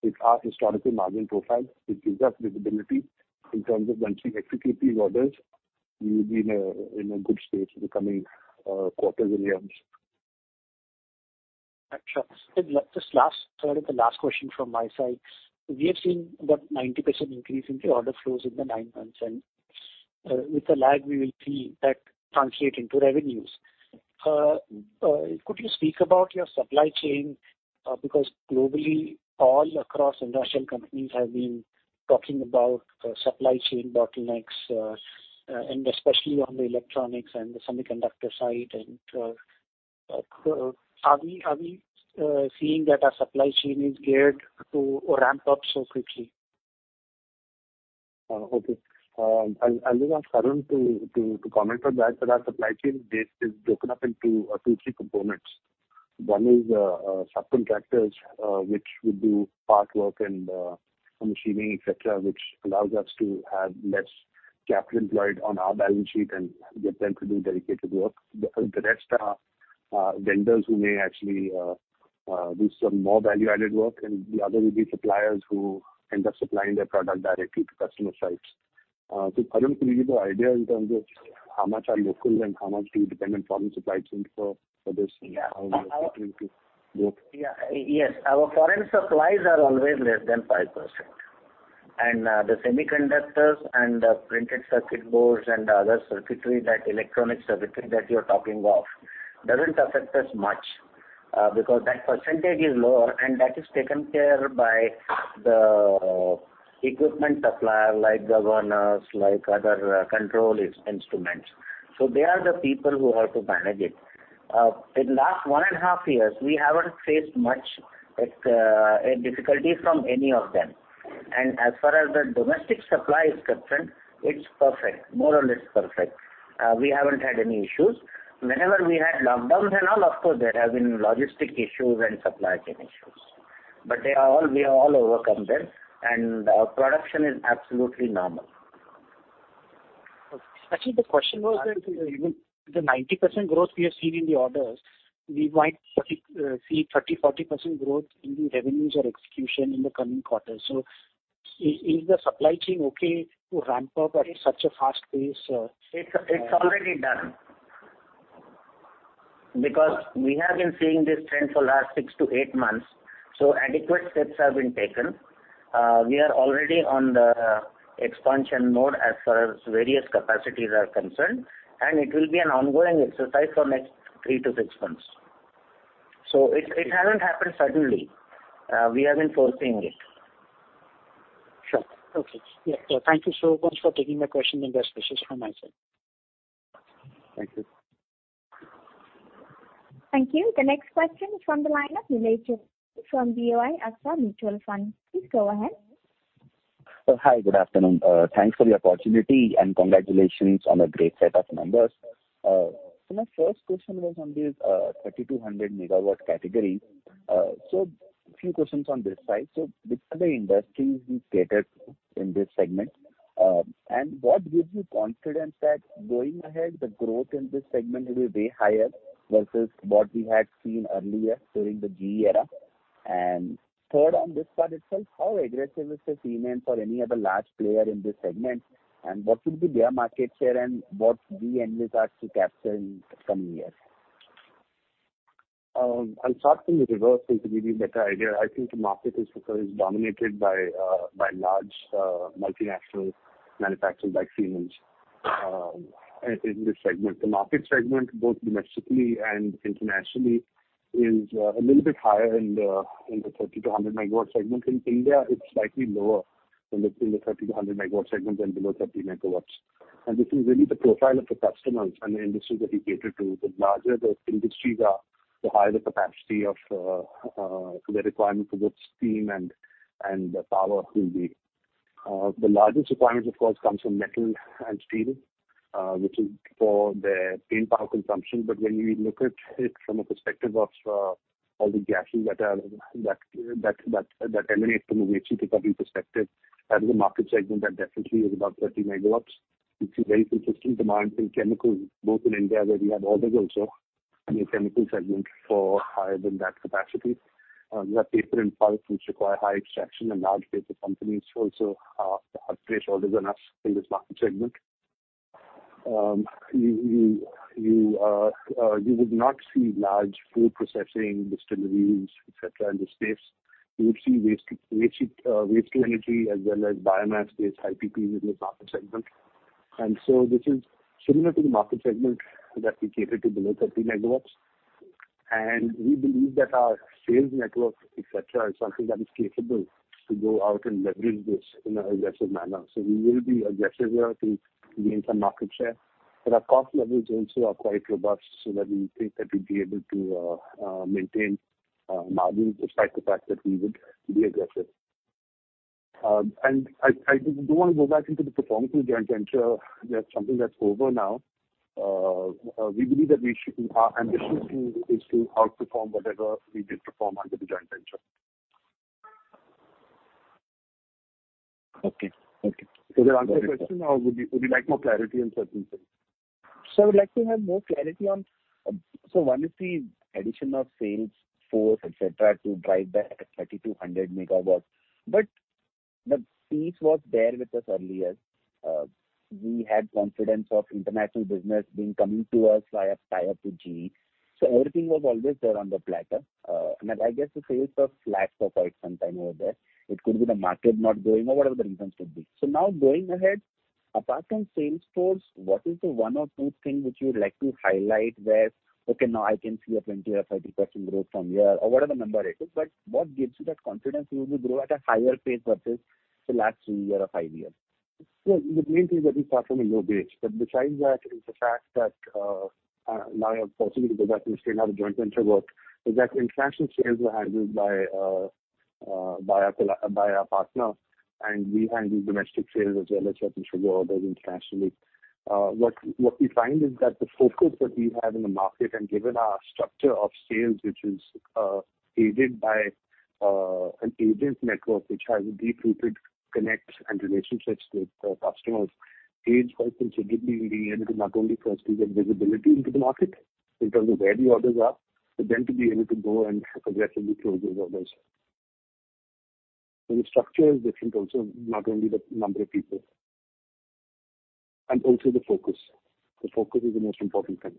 with our historical margin profile, which gives us visibility in terms of once we execute these orders, we will be in a good space in the coming quarters, Navin. Got you. Just last, sort of the last question from my side. We have seen about 90% increase in the order flows in the nine months, and with the lag we will see that translate into revenues. Could you speak about your supply chain? Because globally all across industrial companies have been talking about supply chain bottlenecks, and especially on the electronics and the semiconductor side. Are we seeing that our supply chain is geared to ramp up so quickly? Okay. I'll ask Arun to comment on that. Our supply chain base is broken up into two, three components. One is subcontractors which would do part work and some machining, et cetera, which allows us to have less capital employed on our balance sheet and get them to do dedicated work. The rest are vendors who may actually do some more value-added work, and the other will be suppliers who end up supplying their product directly to customer sites. Arun, could you give an idea in terms of how much are local and how much do you depend on foreign supply chain for this and how you are looking to grow? Yeah. Yes. Our foreign supplies are always less than 5%. The semiconductors and the printed circuit boards and the other circuitry, that electronic circuitry that you're talking of doesn't affect us much, because that percentage is lower and that is taken care of by the equipment supplier like governors, like other control instruments. They are the people who have to manage it. In the last 1.5 years, we haven't faced much difficulty from any of them. As far as the domestic supply is concerned, it's perfect. More or less perfect. We haven't had any issues. Whenever we had lockdowns and all, of course, there have been logistical issues and supply chain issues. We have all overcome them and our production is absolutely normal. Actually, the question was that the 90% growth we have seen in the orders, we might see 30%-40% growth in the revenues or execution in the coming quarters. Is the supply chain okay to ramp up at such a fast pace? It's already done. Because we have been seeing this trend for the last six to eight months, so adequate steps have been taken. We are already on the expansion mode as far as various capacities are concerned, and it will be an ongoing exercise for next three to six months. So it hasn't happened suddenly. We have been foreseeing it. Sure. Okay. Yeah. Thank you so much for taking my questions. Investment is from my side. Thank you. Thank you. The next question is from the line of Nilesh Jethani from BOI Mutual Fund. Please go ahead. Hi, good afternoon. Thanks for the opportunity, and congratulations on a great set of numbers. My first question was on this 3,200 MW category. A few questions on this side. Which are the industries we cater to in this segment? And what gives you confidence that going ahead, the growth in this segment will be way higher versus what we had seen earlier during the GE era? Third on this part itself, how aggressive is the Siemens or any other large player in this segment, and what will be their market share and what we envisage to capture in the coming years? I'll start from the reverse so to give you a better idea. I think the market is dominated by large multinational manufacturers like Siemens in this segment. The market segment, both domestically and internationally, is a little bit higher in the 30 MW-100 MW segment. In India, it's slightly lower in the 30 MW-100 MW segment and below 30 MW. This is really the profile of the customers and the industries that we cater to. The larger the industries are, the higher the capacity of the requirement for good steam and power will be. The largest requirement of course comes from metal and steel, which is for their main power consumption. When we look at it from a perspective of all the gases that emanate from a waste heat recovery perspective, that is a market segment that definitely is above 30 MW. We see very consistent demand in chemicals, both in India, where we have orders also in the chemical segment for higher than that capacity. We have paper and pulp, which require high extraction and large paper companies also have placed orders on us in this market segment. You would not see large food processing distilleries, et cetera, in this space. You would see waste heat, waste-to-energy as well as biomass-based IPPs in this market segment. This is similar to the market segment that we cater to below 30 MW. We believe that our sales network, et cetera, is something that is capable to go out and leverage this in an aggressive manner. We will be aggressive here to gain some market share. Our cost levels also are quite robust, so that we think that we'll be able to maintain margins despite the fact that we would be aggressive. I don't wanna go back into the performance of the joint venture. That's something that's over now. We believe that we should. Our ambition is to outperform whatever we did perform under the joint venture. Okay. Okay. Does that answer your question or would you like more clarity on certain things? Sir, I would like to have more clarity on. One is the addition of sales force, etc., to drive that 30 MW-100 MW. The seed was there with us earlier. We had confidence of international business being coming to us via tie-up to GE. Everything was always there on the platter. I guess the sales were flat for quite some time over there. It could be the market not growing or whatever the reasons could be. Now going ahead, apart from sales force, what is the one or two thing which you would like to highlight where, okay, now I can see a 20% or 30% growth from here or whatever number it is. What gives you that confidence you will grow at a higher pace versus the last three years or five years? The main thing is that we start from a low base. Besides that, it's a fact that now I have the possibility to go back to explain how the joint venture works, is that international sales were handled by our partner, and we handle domestic sales as well as certain sugar orders internationally. What we find is that the focus that we have in the market and given our structure of sales, which is aided by an agent network which has deep-rooted connects and relationships with customers, aids quite considerably in being able to not only for us to get visibility into the market in terms of where the orders are, but then to be able to go and aggressively close those orders. The structure is different also, not only the number of people, and also the focus. The focus is the most important thing.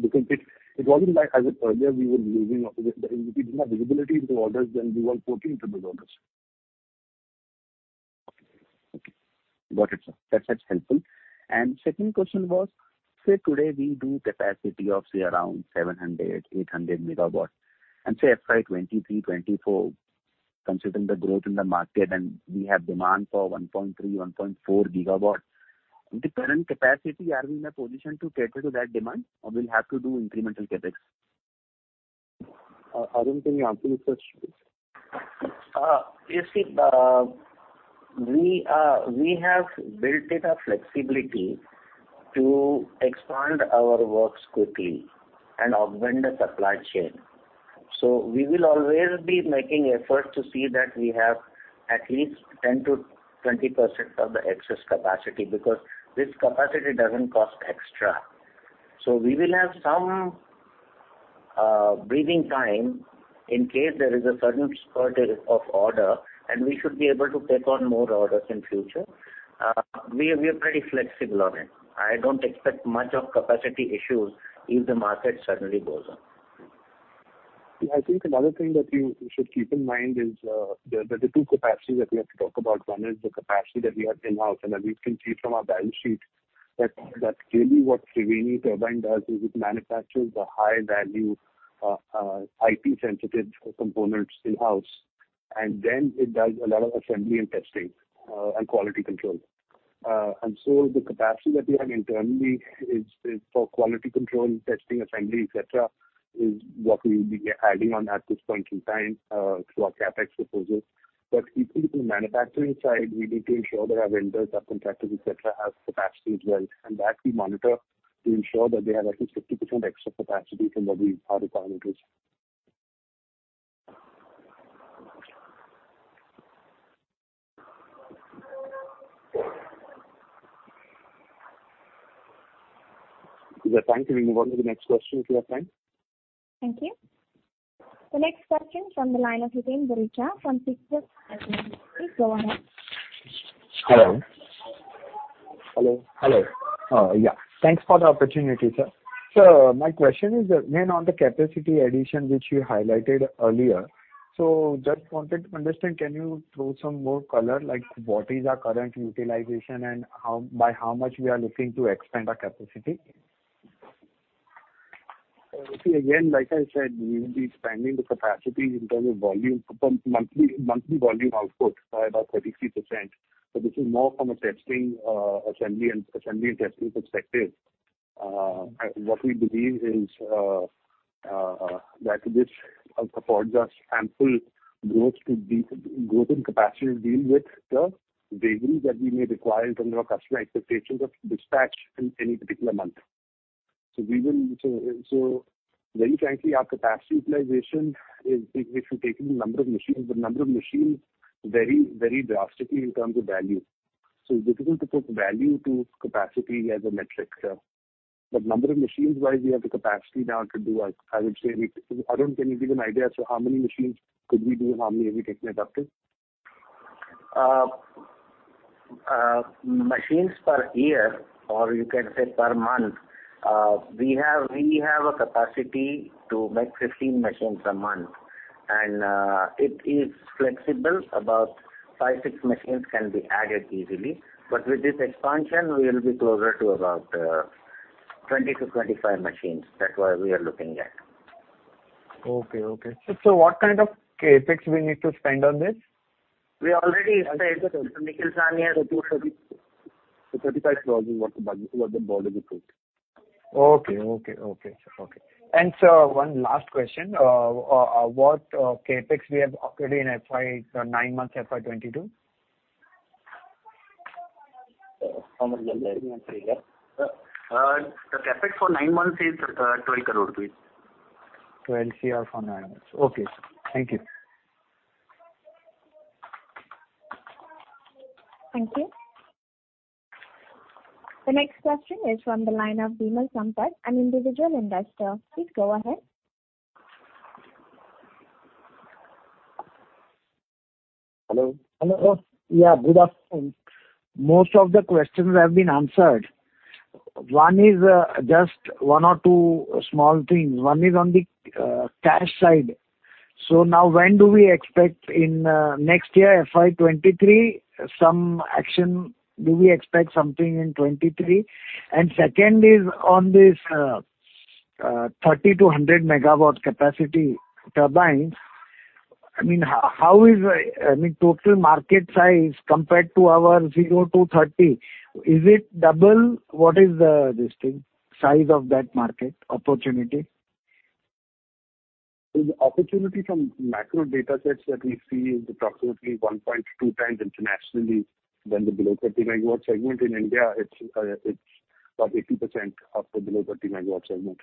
Because it wasn't like as earlier we were losing or we did not have visibility into orders, then we were quoting to those orders. Okay. Got it, sir. That's helpful. Second question was, say today we do capacity of say around 700 MW-800 MW. Say FY 2023-24, considering the growth in the market and we have demand for 1.3 GW-1.4 GW, with the current capacity, are we in a position to cater to that demand or we'll have to do incremental CapEx? Arun, can you answer this question? We have built in a flexibility to expand our works quickly and augment the supply chain. We will always be making effort to see that we have at least 10%-20% of the excess capacity, because this capacity doesn't cost extra. We will have some breathing time in case there is a certain spurt of order, and we should be able to take on more orders in future. We are pretty flexible on it. I don't expect much of capacity issues if the market suddenly goes up. I think another thing that you should keep in mind is, there are two capacities that we have to talk about. One is the capacity that we have in-house, and as you can see from our balance sheet that really what Triveni Turbine does is it manufactures the high value, IP sensitive components in-house. Then it does a lot of assembly and testing, and quality control. The capacity that we have internally is for quality control, testing, assembly, et cetera, is what we will be adding on at this point in time, through our CapEx proposals. Even in manufacturing side, we need to ensure that our vendors, our contractors, et cetera, have capacity as well. That we monitor to ensure that they have at least 50% extra capacity from what our requirement is. Is there time to move on to the next question? If we have time. Thank you. The next question from the line of Hiten Boricha from Sequent Investments. Please go ahead. Yeah, thanks for the opportunity, sir. My question is again on the capacity addition which you highlighted earlier. Just wanted to understand, can you throw some more color, like what is our current utilization and how, by how much we are looking to expand our capacity? See, again, like I said, we will be expanding the capacity in terms of volume from monthly volume output by about 33%. This is more from a testing, assembly and testing perspective. What we believe is that this supports us handle growth and capacity to deal with the variations that we may require in terms of customer expectations of dispatch in any particular month. Very frankly, our capacity utilization is if you take the number of machines, the number of machines vary very drastically in terms of value. It's difficult to put value to capacity as a metric, but number of machines wise, we have the capacity now to do, I would say. Arun, can you give an idea as to how many machines could we do and how many have we taken it up to? Machines per year, or you can say per month, we have a capacity to make 15 machines a month. It is flexible. About five, six machines can be added easily. With this expansion, we will be closer to about 20-25 machines. That's what we are looking at. Okay. What kind of CapEx we need to spend on this? We already said that. Nikhil Sawhney has a tool for this. INR 35 crore is what the board approved. Okay. Sir, one last question. What CapEx we have already in nine months FY 2022? The CapEx for nine months is 12 crore. INR 12 crore for nine months. Okay, sir. Thank you. Thank you. The next question is from the line of Vimal Sampat, an individual investor. Please go ahead. Hello. Yeah, good afternoon. Most of the questions have been answered. One is just one or two small things. One is on the cash side. Now when do we expect in next year, FY 2023, some action? Do we expect something in 2023? Second is on this 30 MW-100 MW capacity turbines. I mean, how is, I mean, total market size compared to our 0-30 MW? Is it double? What is the size of that market opportunity? The opportunity from macro data sets that we see is approximately 1.2x internationally than the below 30 MW segment. In India, it's about 80% of the below 30 MW segment.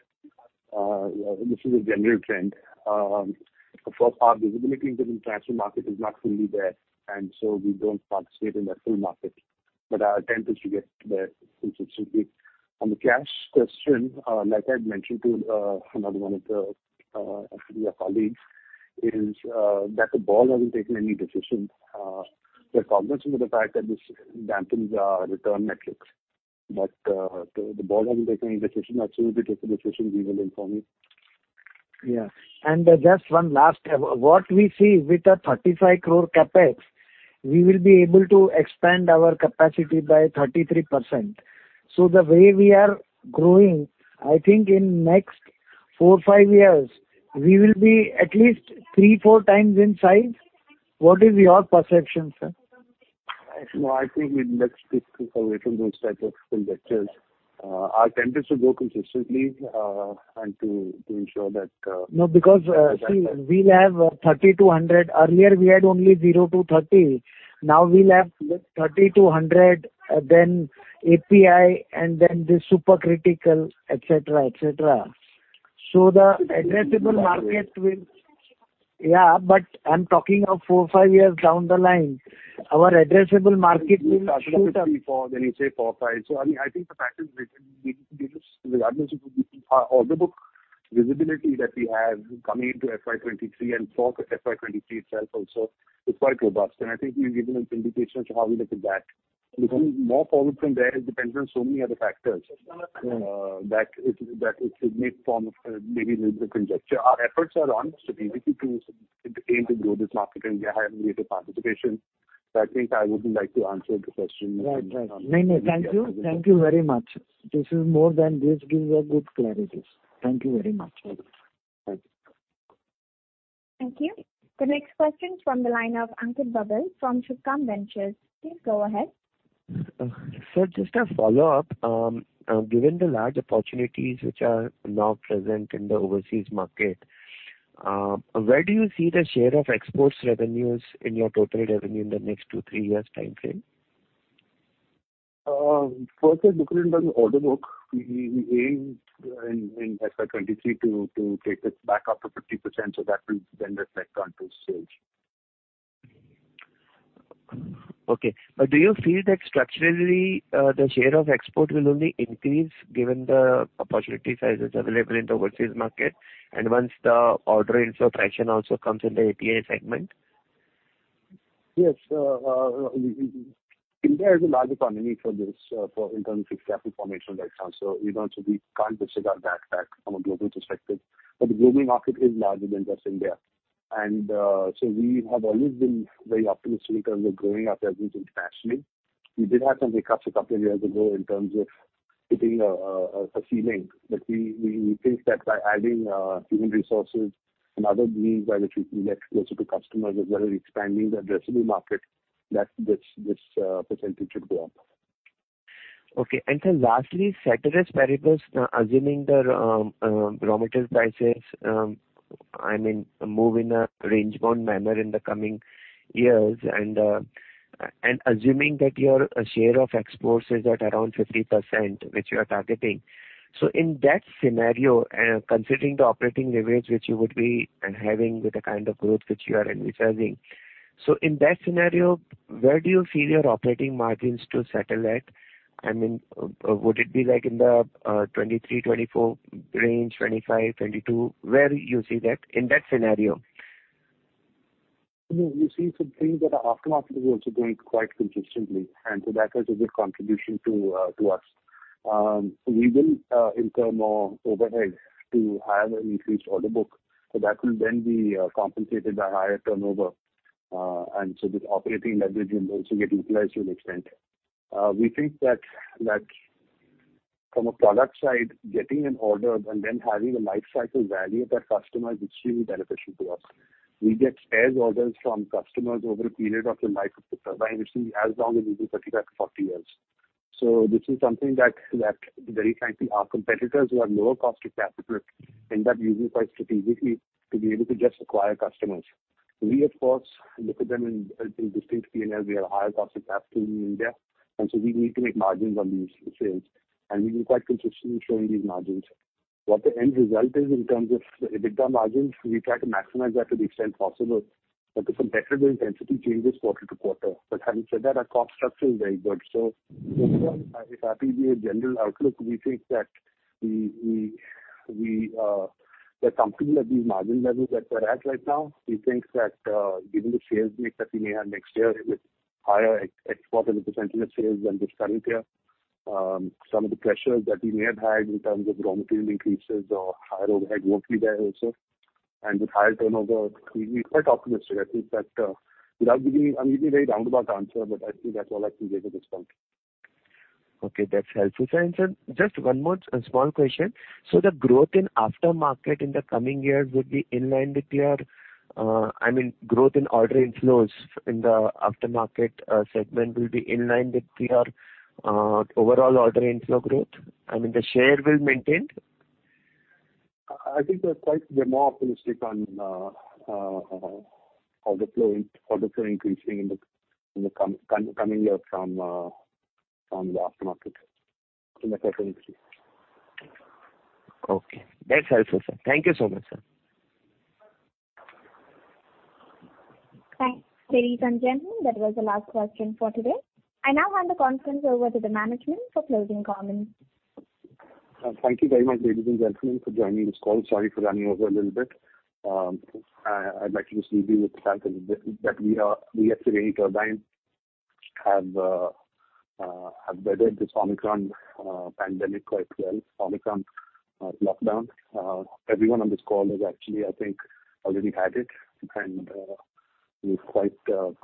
This is a general trend. Of course, our visibility in the wind turbine market is not fully there, and so we don't participate in that full market. Our intent is to get there in future. On the cash question, like I'd mentioned to another one of the actually your colleagues, is that the board hasn't taken any decision. They're cognizant of the fact that this dampens our return metrics. The board hasn't taken any decision. As soon as they take a decision, we will inform you. Yeah. Just one last. What we see with the 35 crore CapEx, we will be able to expand our capacity by 33%. The way we are growing, I think in next four to five years, we will be at least three to four times in size. What is your perception, sir? No, I think in next six to 12 years in those type of conjectures, our attempt is to grow consistently, and to ensure that. No, because see, we have 30 MW-100 MW. Earlier we had only 0-30. Now we'll have 30 MW-100 MW, then API and then the supercritical, et cetera, et cetera. So the addressable market will shoot up. Yeah, but I'm talking of four, five years down the line. Our addressable market will shoot up. You started at 3%-4%, then you say 4%-5%. I mean, I think the fact is we can give you, regardless of the order book visibility that we have coming into FY 2023 and for FY 2023 itself also is quite robust. I think we've given an indication as to how we look at that. Looking more forward from there, it depends on so many other factors, that it may form, maybe a little bit conjecture. Our efforts are on strategically to aim to grow this market and have greater participation. I think I wouldn't like to answer the question in terms of- Right. No, thank you. Thank you very much. This gives a good clarity. Thank you very much. Thank you. Thank you. The next question is from the line of Ankit Babel from Subhkam Ventures. Please go ahead. Sir, just a follow-up. Given the large opportunities which are now present in the overseas market, where do you see the share of exports revenues in your total revenue in the next two to three years timeframe? First we're looking at the order book. We aimed in FY 2023 to take this back up to 50%, so that will then reflect onto sales. Okay. Do you feel that structurally, the share of export will only increase given the opportunity sizes available in the overseas market, and once the order inflow fraction also comes in the API segment? Yes. India is a large economy for this in terms of capital formation that comes. We want to be competitive at that front from a global perspective. The global market is larger than just India. We have always been very optimistic in terms of growing our presence internationally. We did have some hiccups a couple of years ago in terms of hitting a ceiling, but we think that by adding human resources and other means by which we get closer to customers as well as expanding the addressable market, that this percentage should go up. Okay. Sir, lastly, ceteris paribus, assuming the raw material prices, I mean, move in a range-bound manner in the coming years and assuming that your share of exports is at around 50%, which you are targeting. In that scenario, considering the operating leverage which you would be having with the kind of growth which you are envisaging. In that scenario, where do you see your operating margins to settle at? I mean, would it be like in the 23%-24% range, 25%-22%? Where you see that in that scenario? You know, we see some things that are aftermarket are also growing quite consistently, and that adds a good contribution to us. We will incur more overheads to have an increased order book, so that will then be compensated by higher turnover. This operating leverage will also get utilized to an extent. We think that from a product side, getting an order and then having a lifecycle value of that customer is extremely beneficial to us. We get spares orders from customers over a period of the life of the turbine, which is as long as 35-40 years. This is something that very frankly, our competitors who have lower cost of capital end up using quite strategically to be able to just acquire customers. We of course look at them in distinct P&L. We have higher cost of capital in India, and so we need to make margins on these sales, and we've been quite consistent in showing these margins. What the end result is in terms of EBITDA margins, we try to maximize that to the extent possible. The competitive intensity changes quarter-to-quarter. Having said that, our cost structure is very good. Overall, if I give you a general outlook, we think that we're comfortable at these margin levels that we're at right now. We think that, given the share mix that we may have next year with higher export as a percentage of sales than this current year, some of the pressures that we may have had in terms of raw material increases or higher overhead won't be there also. With higher turnover, we'll be quite optimistic. I think that I'm giving a very roundabout answer, but I think that's all I can give at this point. Okay, that's helpful, sir. Sir, just one more small question. The growth in aftermarket in the coming years would be in line with your, I mean, growth in order inflows in the aftermarket segment will be in line with your overall order inflow growth? I mean, the share will maintain? I think we're more optimistic on order flow increasing in the coming year from the aftermarket in the current year. Okay. That's helpful, sir. Thank you so much, sir. Thanks. Ladies and gentlemen, that was the last question for today. I now hand the conference over to the management for closing comments. Thank you very much, ladies and gentlemen, for joining this call. Sorry for running over a little bit. I'd like to just leave you with the fact that we at Triveni Turbine have weathered this Omicron pandemic quite well, Omicron lockdown. Everyone on this call has actually, I think, already had it, and we're quite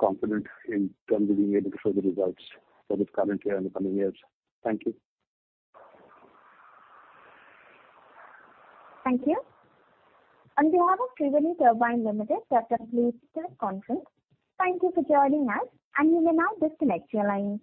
confident in terms of being able to show the results for this current year and the coming years. Thank you. Thank you. On behalf of Triveni Turbine Limited, that concludes this conference. Thank you for joining us, and you may now disconnect your lines.